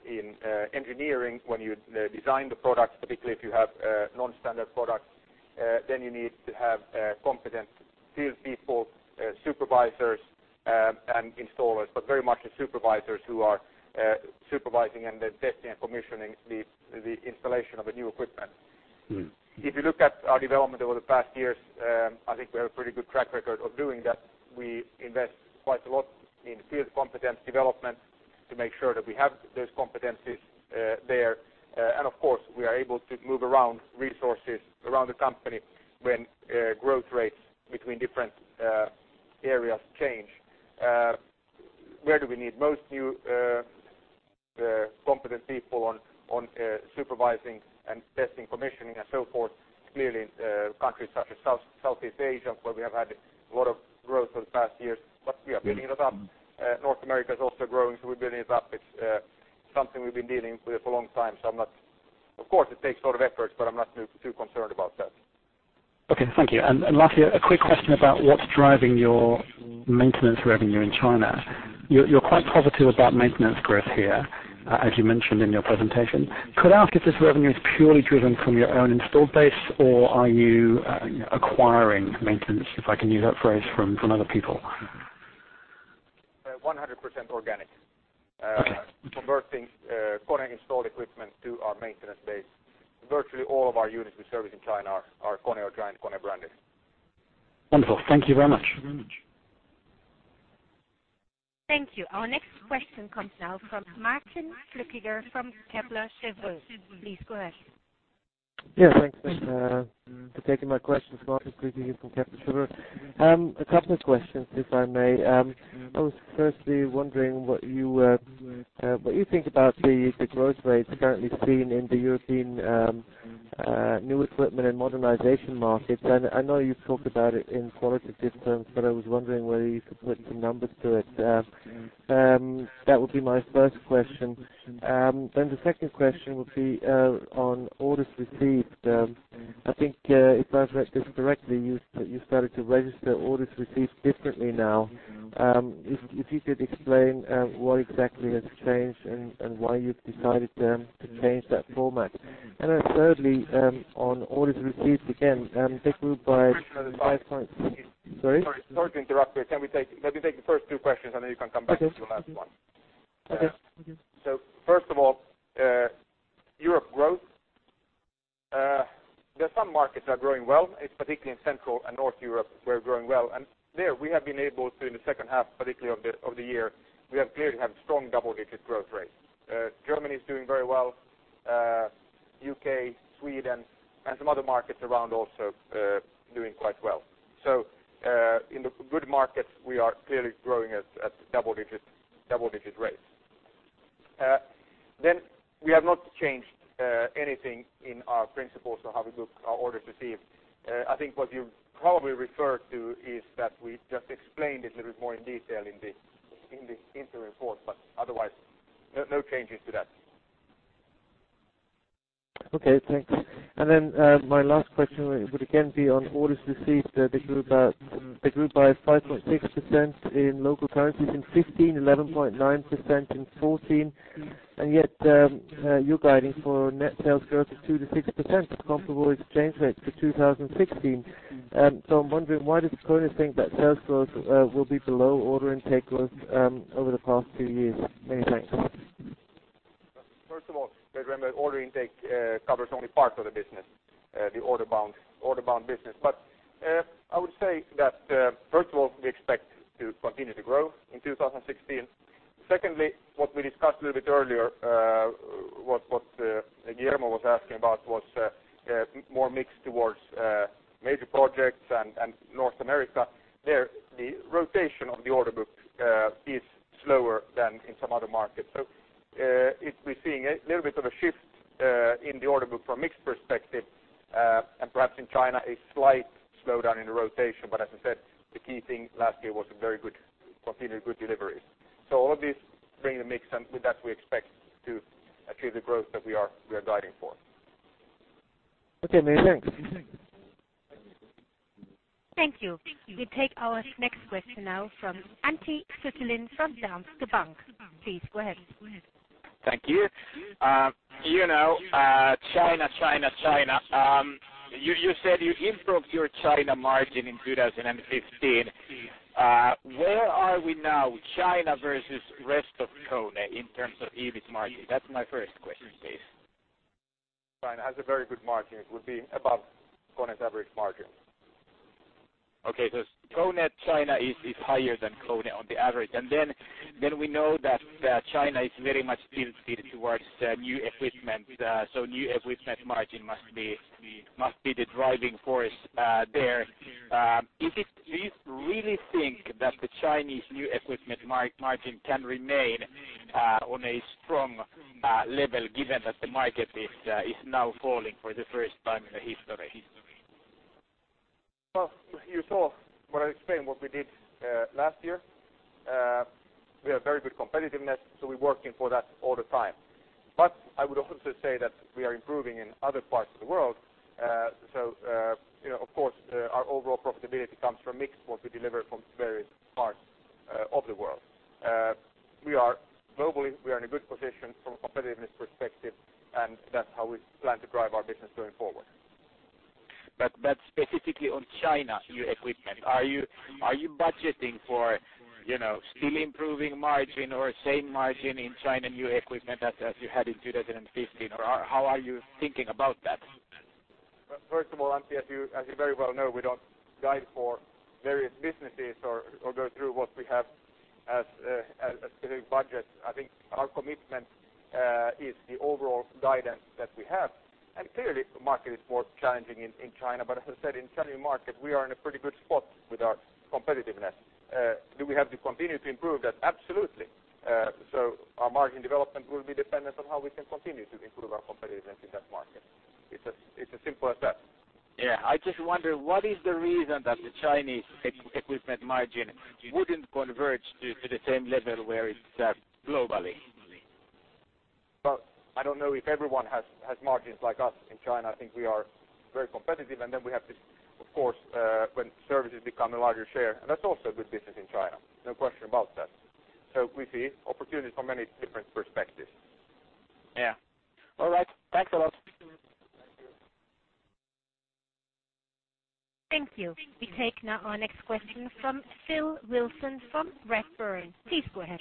in engineering when you design the product, particularly if you have non-standard products, you need to have competent field people, supervisors, and installers, but very much the supervisors who are supervising and testing and commissioning the installation of a new equipment. If you look at our development over the past years, I think we have a pretty good track record of doing that. We invest quite a lot in field competence development to make sure that we have those competencies there. Of course, we are able to move around resources around the company when growth rates between different areas change. Where do we need most new competent people on supervising and testing, commissioning, and so forth? Clearly, countries such as Southeast Asia, where we have had a lot of growth over the past years, we are building it up. North America is also growing, we're building it up. It's something we've been dealing with a long time, of course, it takes a lot of effort, but I'm not too concerned about that. Okay, thank you. Lastly, a quick question about what's driving your maintenance revenue in China. You're quite positive about maintenance growth here, as you mentioned in your presentation. Could I ask if this revenue is purely driven from your own installed base or are you acquiring maintenance, if I can use that phrase, from other people? 100% organic. Okay. Converting KONE installed equipment to our maintenance base. Virtually all of our units we service in China are KONE or joint KONE branded. Wonderful. Thank you very much. Thank you. Our next question comes now from Martin Flueckiger from Kepler Cheuvreux. Please go ahead. Thanks for taking my questions. Martin Flueckiger from Kepler Cheuvreux. A couple of questions, if I may. I was firstly wondering what you think about the growth rates currently seen in the European new equipment and modernization markets. I know you've talked about it in qualitative terms. I was wondering whether you could put some numbers to it. That would be my first question. The second question would be on orders received. I think if I've read this correctly, you started to register orders received differently now. If you could explain what exactly has changed and why you've decided to change that format. Thirdly, on orders received again, they grew by 5. Sorry to interrupt you. Let me take the first two questions, and then you can come back to the last one. Okay. First of all, Europe growth. There's some markets that are growing well. It's particularly in Central and North Europe we're growing well. There we have been able to, in the second half, particularly of the year, we have clearly had strong double-digit growth rates. Germany is doing very well. U.K., Sweden, and some other markets around also doing quite well. In the good markets, we are clearly growing at double-digit rates. We have not changed anything in our principles of how we book our orders received. I think what you probably refer to is that we just explained it a little bit more in detail in the interim report, but otherwise, no changes to that. Okay, thanks. My last question would again be on orders received. They grew by 5.6% in local currencies in 2015, 11.9% in 2014. Yet you're guiding for net sales growth of 2%-6% comparable exchange rates for 2016. I'm wondering, why does KONE think that sales growth will be below order intake growth over the past few years? Many thanks. First of all, remember order intake covers only part of the business, the order-bound business. I would say that, first of all, we expect to continue to grow in 2016. Secondly, what we discussed a little bit earlier, what Guillermo was asking about was more mix towards major projects and North America. There, the rotation of the order book is slower than in some other markets. We're seeing a little bit of a shift in the order book from a mix perspective, and perhaps in China, a slight slowdown in the rotation. As I said, the key thing last year was a very good continued good deliveries. All of these bring a mix, and with that, we expect to achieve the growth that we are guiding for. Okay, many thanks. Thank you. We take our next question now from Antti Suttelin from Danske Bank. Please go ahead. Thank you. China. You said you improved your China margin in 2015. Where are we now, China versus rest of KONE in terms of EBIT margin? That's my first question, please. China has a very good margin. It would be above KONE's average margin. Okay. KONE China is higher than KONE on the average. We know that China is very much tilted towards new equipment. New equipment margin must be the driving force there. Do you really think that the Chinese new equipment margin can remain on a strong level given that the market is now falling for the first time in the history? Well, you saw what I explained what we did last year. We have very good competitiveness, we're working for that all the time. I would also say that we are improving in other parts of the world. Of course, our overall profitability comes from mix what we deliver from various parts of the world. Globally, we are in a good position from a competitiveness perspective, and that's how we plan to drive our business going forward. Specifically on China new equipment, are you budgeting for still improving margin or same margin in China new equipment as you had in 2015? How are you thinking about that? Well, first of all, Antti, as you very well know, we don't guide for various businesses or go through what we have as specific budgets. I think our commitment is the overall guidance that we have. Clearly, the market is more challenging in China. As I said, in China market, we are in a pretty good spot with our competitiveness. Do we have to continue to improve that? Absolutely. Our margin development will be dependent on how we can continue to improve our competitiveness in that market. It's as simple as that. Yeah. I just wonder what is the reason that the Chinese equipment margin wouldn't converge to the same level where it's globally? Well, I don't know if everyone has margins like us in China. I think we are very competitive, we have to, of course, when services become a larger share, and that's also a good business in China, no question about that. We see opportunities from many different perspectives. Yeah. All right. Thanks a lot. Thank you. We take now our next question from Phil Wilson from Redburn. Please go ahead.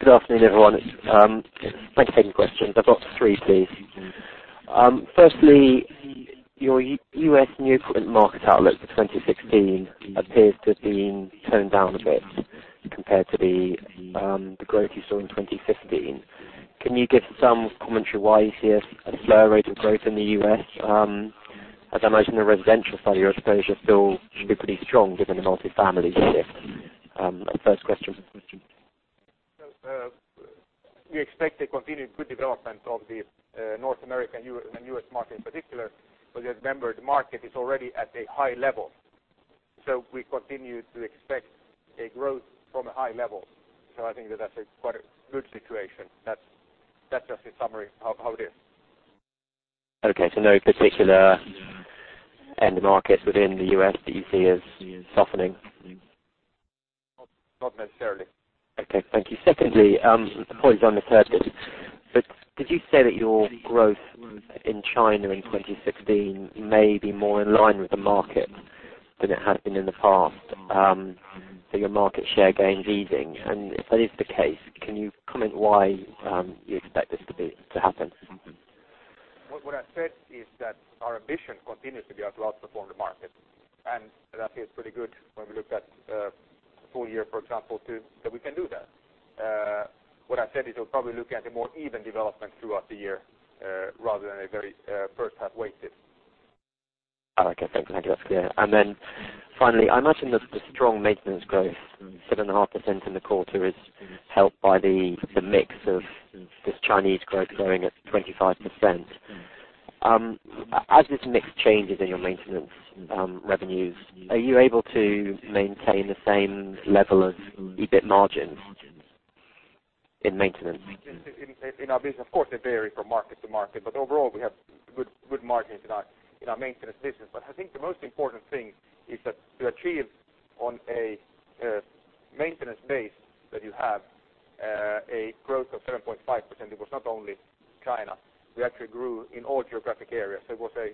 Good afternoon, everyone. Thanks for taking questions. I've got three, please. Firstly, your U.S. new equipment market outlook for 2016 appears to have been toned down a bit compared to the growth you saw in 2015. Can you give some commentary why you see a slower rate of growth in the U.S.? As I imagine the residential side of your exposure, Phil, should be pretty strong given the multi-family shift. First question. We expect a continued good development of the North America and U.S. market in particular, because remember, the market is already at a high level. We continue to expect a growth from a high level. I think that's a quite good situation. That's just a summary of how it is. Okay. No particular end markets within the U.S. that you see as softening? Not necessarily. Okay. Thank you. Secondly, the point is on the third bit, did you say that your growth in China in 2016 may be more in line with the market than it has been in the past? Your market share gains easing? If that is the case, can you comment why you expect this to happen? What I said is that our ambition continues to be to outperform the market, and that feels pretty good when we look at full year, for example, too, that we can do that. What I said is we're probably looking at a more even development throughout the year rather than a very first half-weighted. Okay, thanks. Thank you. That's clear. Finally, I imagine that the strong maintenance growth, 7.5% in the quarter, is helped by the mix of this Chinese growth growing at 25%. As this mix changes in your maintenance revenues, are you able to maintain the same level of EBIT margins in maintenance? In our business, of course, they vary from market to market. Overall, we have good margins in our maintenance business. I think the most important thing is that to achieve on a maintenance base that you have a growth of 7.5%, it was not only China. We actually grew in all geographic areas. It was a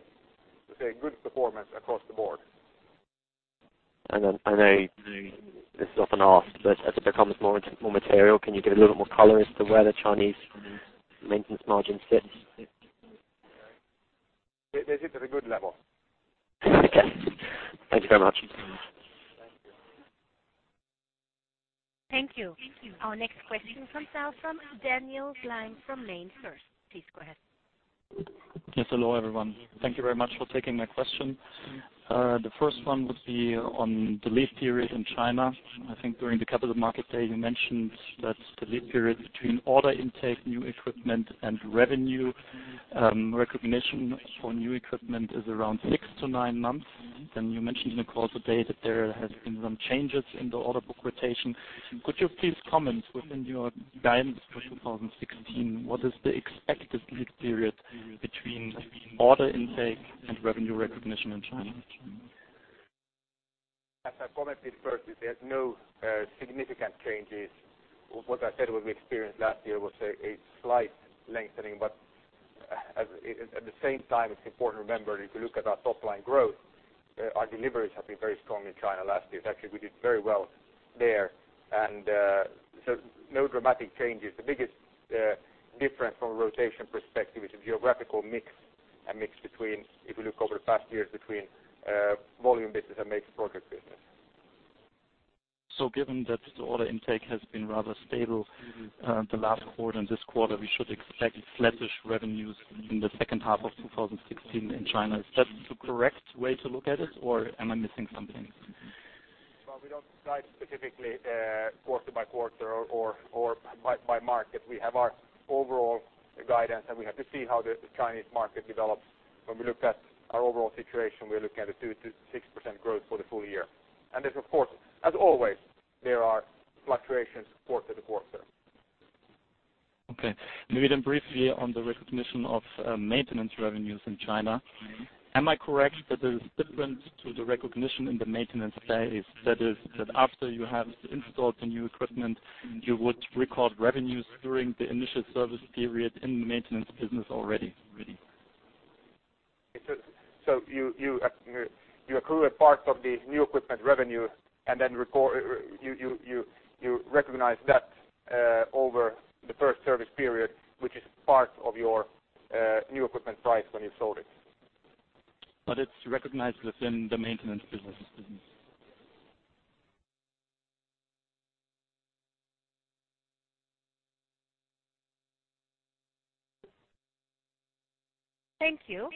good performance across the board. I know this is often asked, but as it becomes more material, can you give a little more color as to where the Chinese maintenance margin sits? They're sitting at a good level. Okay. Thank you very much. Thank you. Thank you. Our next question comes now from Daniel Gleim from MainFirst. Please go ahead. Yes. Hello, everyone. Thank you very much for taking my question. The first one would be on the lead period in China. I think during the Capital Market Day, you mentioned that the lead period between order intake, new equipment, and revenue recognition for new equipment is around six to nine months. You mentioned in the course of day that there has been some changes in the order book rotation. Could you please comment within your guidance for 2016, what is the expected lead period between order intake and revenue recognition in China? As I commented first, there's no significant changes. What I said we experienced last year was a slight lengthening, but at the same time, it's important to remember, if you look at our top-line growth, our deliveries have been very strong in China last year. Actually, we did very well there. No dramatic changes. The biggest difference from a rotation perspective is the geographical mix and mix between, if we look over the past years, between volume business and major project business. Given that the order intake has been rather stable the last quarter and this quarter, we should expect flattish revenues in the second half of 2016 in China. Is that the correct way to look at it or am I missing something? Well, we don't guide specifically quarter by quarter or by market. We have our overall guidance, and we have to see how the Chinese market develops. When we look at our overall situation, we're looking at a 2%-6% growth for the full year. There's, of course, as always, there are fluctuations quarter to quarter. Okay. Maybe briefly on the recognition of maintenance revenues in China. Am I correct that there is difference to the recognition in the maintenance phase? That is, that after you have installed the new equipment, you would record revenues during the initial service period in the maintenance business already. You accrue a part of the new equipment revenue, and then you recognize that over the first service period, which is part of your new equipment price when you sold it. It's recognized within the maintenance business? Thank you.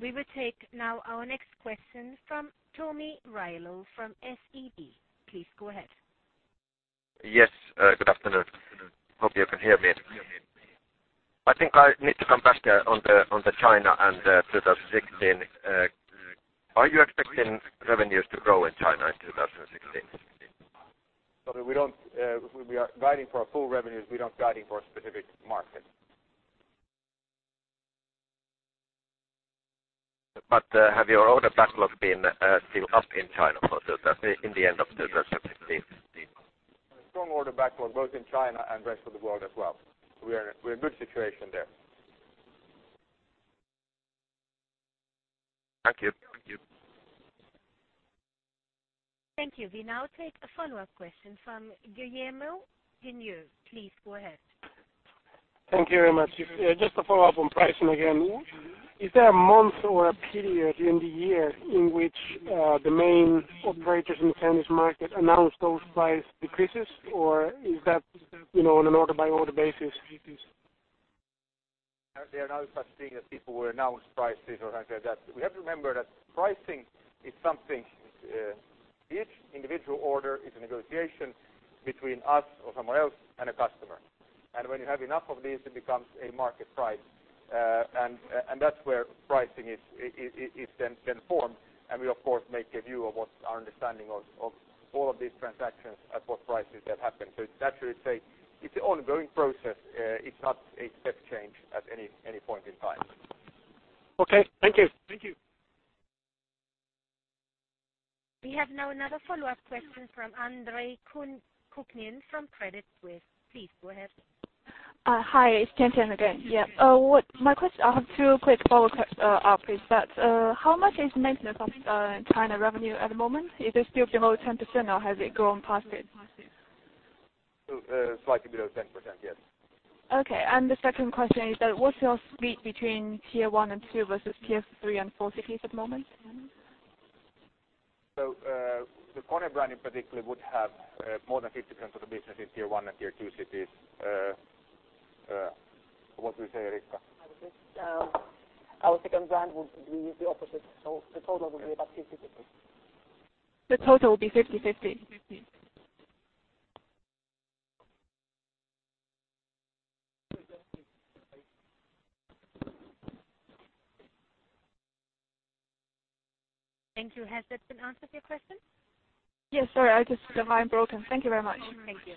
We will take now our next question from Tomi Railo from SEB. Please go ahead. Yes, good afternoon. Hope you can hear me. I think I need to come back on the China and 2016. Are you expecting revenues to grow in China in 2016? Tomi, we are guiding for our full revenues. We are not guiding for a specific market. Have your order backlog been still up in China in the end of 2016? A strong order backlog, both in China and rest of the world as well. We're in a good situation there. Thank you. Thank you. We now take a follow-up question from Guillermo Peigneux. Please go ahead. Thank you very much. Just to follow up on pricing again. Is there a month or a period in the year in which the main operators in the Chinese market announce those price decreases, or is that on an order-by-order basis? There is no such thing as people will announce prices or anything like that. We have to remember that pricing is something, each individual order is a negotiation between us or someone else and a customer. When you have enough of these, it becomes a market price. That's where pricing is then formed, and we, of course, make a view of what our understanding of all of these transactions at what prices that happen. That should say it's an ongoing process. It's not a step change at any point in time. Okay. Thank you. We have now another follow-up question from Andre Kukhnin from Credit Suisse. Please go ahead. Hi, it's Tian Tian again. I have two quick follow-up questions. How much is maintenance of China revenue at the moment? Is it still below 10%, or has it grown past it? Slightly below 10%, yes. Okay. The second question is that, what's your split between tier 1 and 2 versus tier 3 and 4 cities at the moment? The KONE brand in particular would have more than 50% of the business in tier 1 and tier 2 cities. What do you say, Rikka? I would say our second brand would be the opposite. The total would be about 50/50. The total would be 50/50. Thank you. Has that been answered, your question? Yes, sorry. The line broken. Thank you very much. Thank you.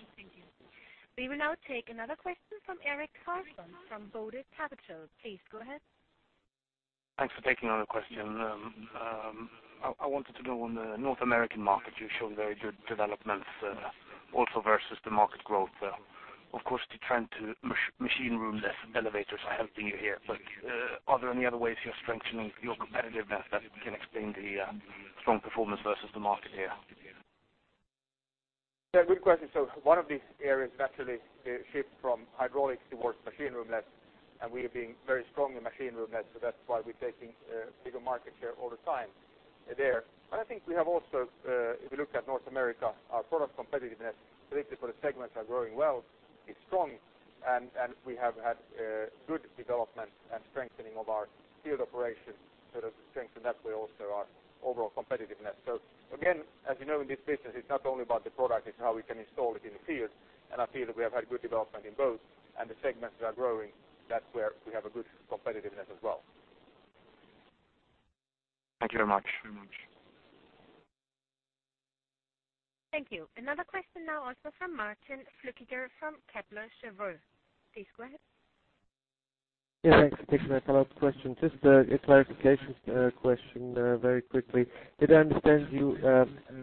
We will now take another question from Erik Karlsson from BODE Capital. Please go ahead. Thanks for taking our question. I wanted to know on the North American market, you've shown very good developments also versus the market growth. The trend to machine room less elevators are helping you here, are there any other ways you're strengthening your competitiveness that can explain the strong performance versus the market here? Good question. One of these areas naturally shift from hydraulics towards machine room less, we are being very strong in machine room less, that's why we're taking bigger market share all the time there. I think we have also, if you look at North America, our product competitiveness, particularly for the segments are growing well, is strong, we have had good development and strengthening of our field operations. That strengthen that way also our overall competitiveness. Again, as you know, in this business, it's not only about the product, it's how we can install it in the field, I feel that we have had good development in both the segments are growing. That's where we have a good competitiveness as well. Thank you very much. Thank you. Another question now also from Martin Flueckiger from Kepler Cheuvreux. Please go ahead. Yeah, thanks for taking my follow-up question. Just a clarification question very quickly. Did I understand you,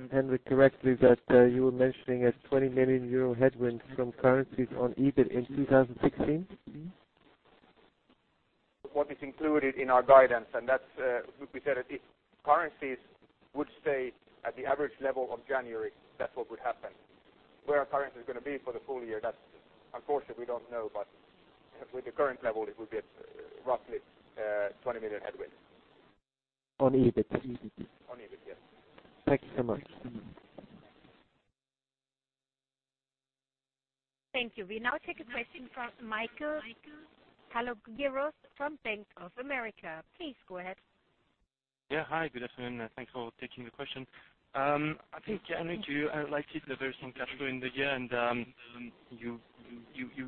Henrik, correctly that you were mentioning a €20 million headwind from currencies on EBIT in 2016? What is included in our guidance, and that's we said that if currencies would stay at the average level of January, that's what would happen. Where our currency is going to be for the full year, that's unfortunate we don't know, but with the current level, it will be at roughly 20 million headwind. On EBIT? On EBIT, yes. Thank you so much. Thank you. We now take a question from Michael Haloggyros from BofA Securities. Please go ahead. Yeah. Hi, good afternoon. Thanks for taking the question. I think, Henrik, you highlighted the very strong cash flow in the year, and you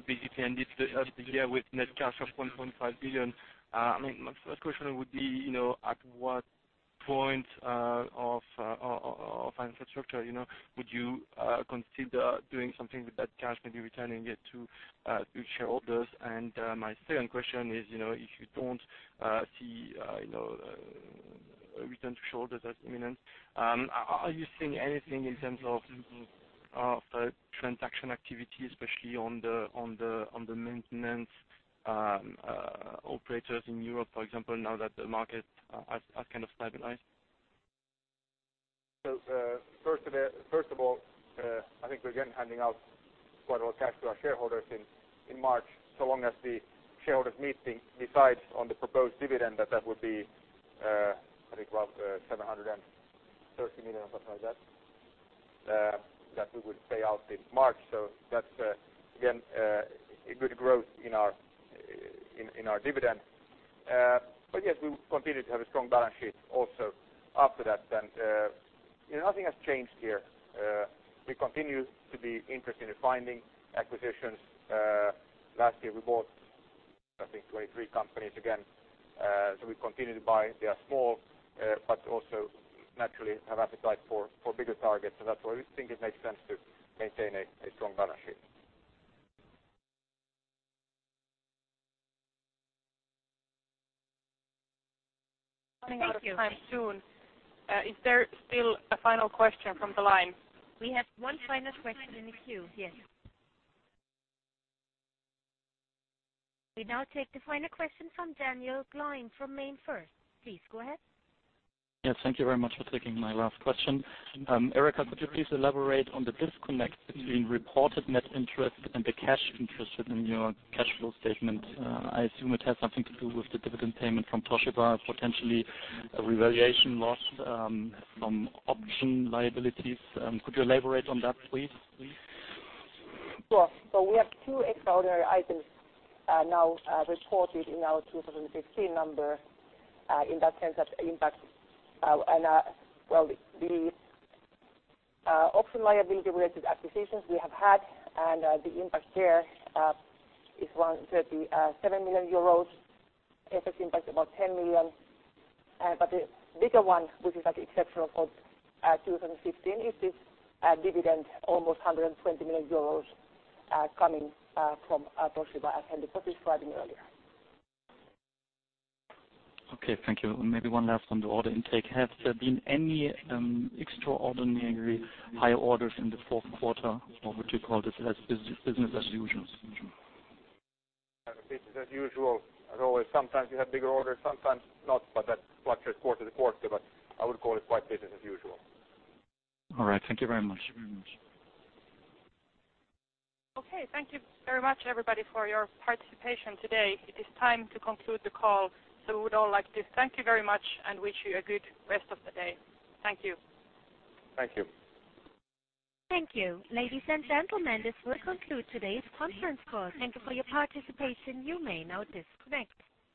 basically ended the year with net cash of 1.5 billion. My first question would be, at what point of financial structure would you consider doing something with that cash, maybe returning it to shareholders? My second question is, if you don't see a return to shareholders as imminent, are you seeing anything in terms of transaction activity, especially on the maintenance operators in Europe, for example, now that the market has kind of stabilized? First of all, I think we're again handing out quite a lot of cash to our shareholders in March, so long as the shareholders meeting decides on the proposed dividend that would be, I think, around 730 million or something like that we would pay out in March. That's again, a good growth in our dividend. Yes, we will continue to have a strong balance sheet also after that. Nothing has changed here. We continue to be interested in finding acquisitions. Last year we bought, I think, 23 companies again. We continue to buy. They are small, but also naturally have appetite for bigger targets. That's why we think it makes sense to maintain a strong balance sheet. Thank you. Running out of time soon. Is there still a final question from the line? We have one final question in the queue. Yes. We now take the final question from Daniel Gleim from MainFirst. Please go ahead. Yes, thank you very much for taking my last question. Eriikka, could you please elaborate on the disconnect between reported net interest and the cash interest within your cash flow statement? I assume it has something to do with the dividend payment from Toshiba, potentially a revaluation loss from option liabilities. Could you elaborate on that, please? Sure. We have two extraordinary items now reported in our 2015 number, in that sense of impact. The option liability related acquisitions we have had and the impact there is 37 million euros, FX impact about 10 million. The bigger one, which is at the exception of 2015, is this dividend almost 120 million euros coming from Toshiba, as Henrik was describing earlier. Okay, thank you. Maybe one last on the order intake. Have there been any extraordinarily high orders in the fourth quarter, or would you call this as business as usual? Business as usual. As always, sometimes you have bigger orders, sometimes not, but that fluctuates quarter to quarter. I would call it quite business as usual. All right. Thank you very much. Okay. Thank you very much, everybody, for your participation today. It is time to conclude the call. We would all like to thank you very much and wish you a good rest of the day. Thank you. Thank you. Thank you. Ladies and gentlemen, this will conclude today's conference call. Thank you for your participation. You may now disconnect.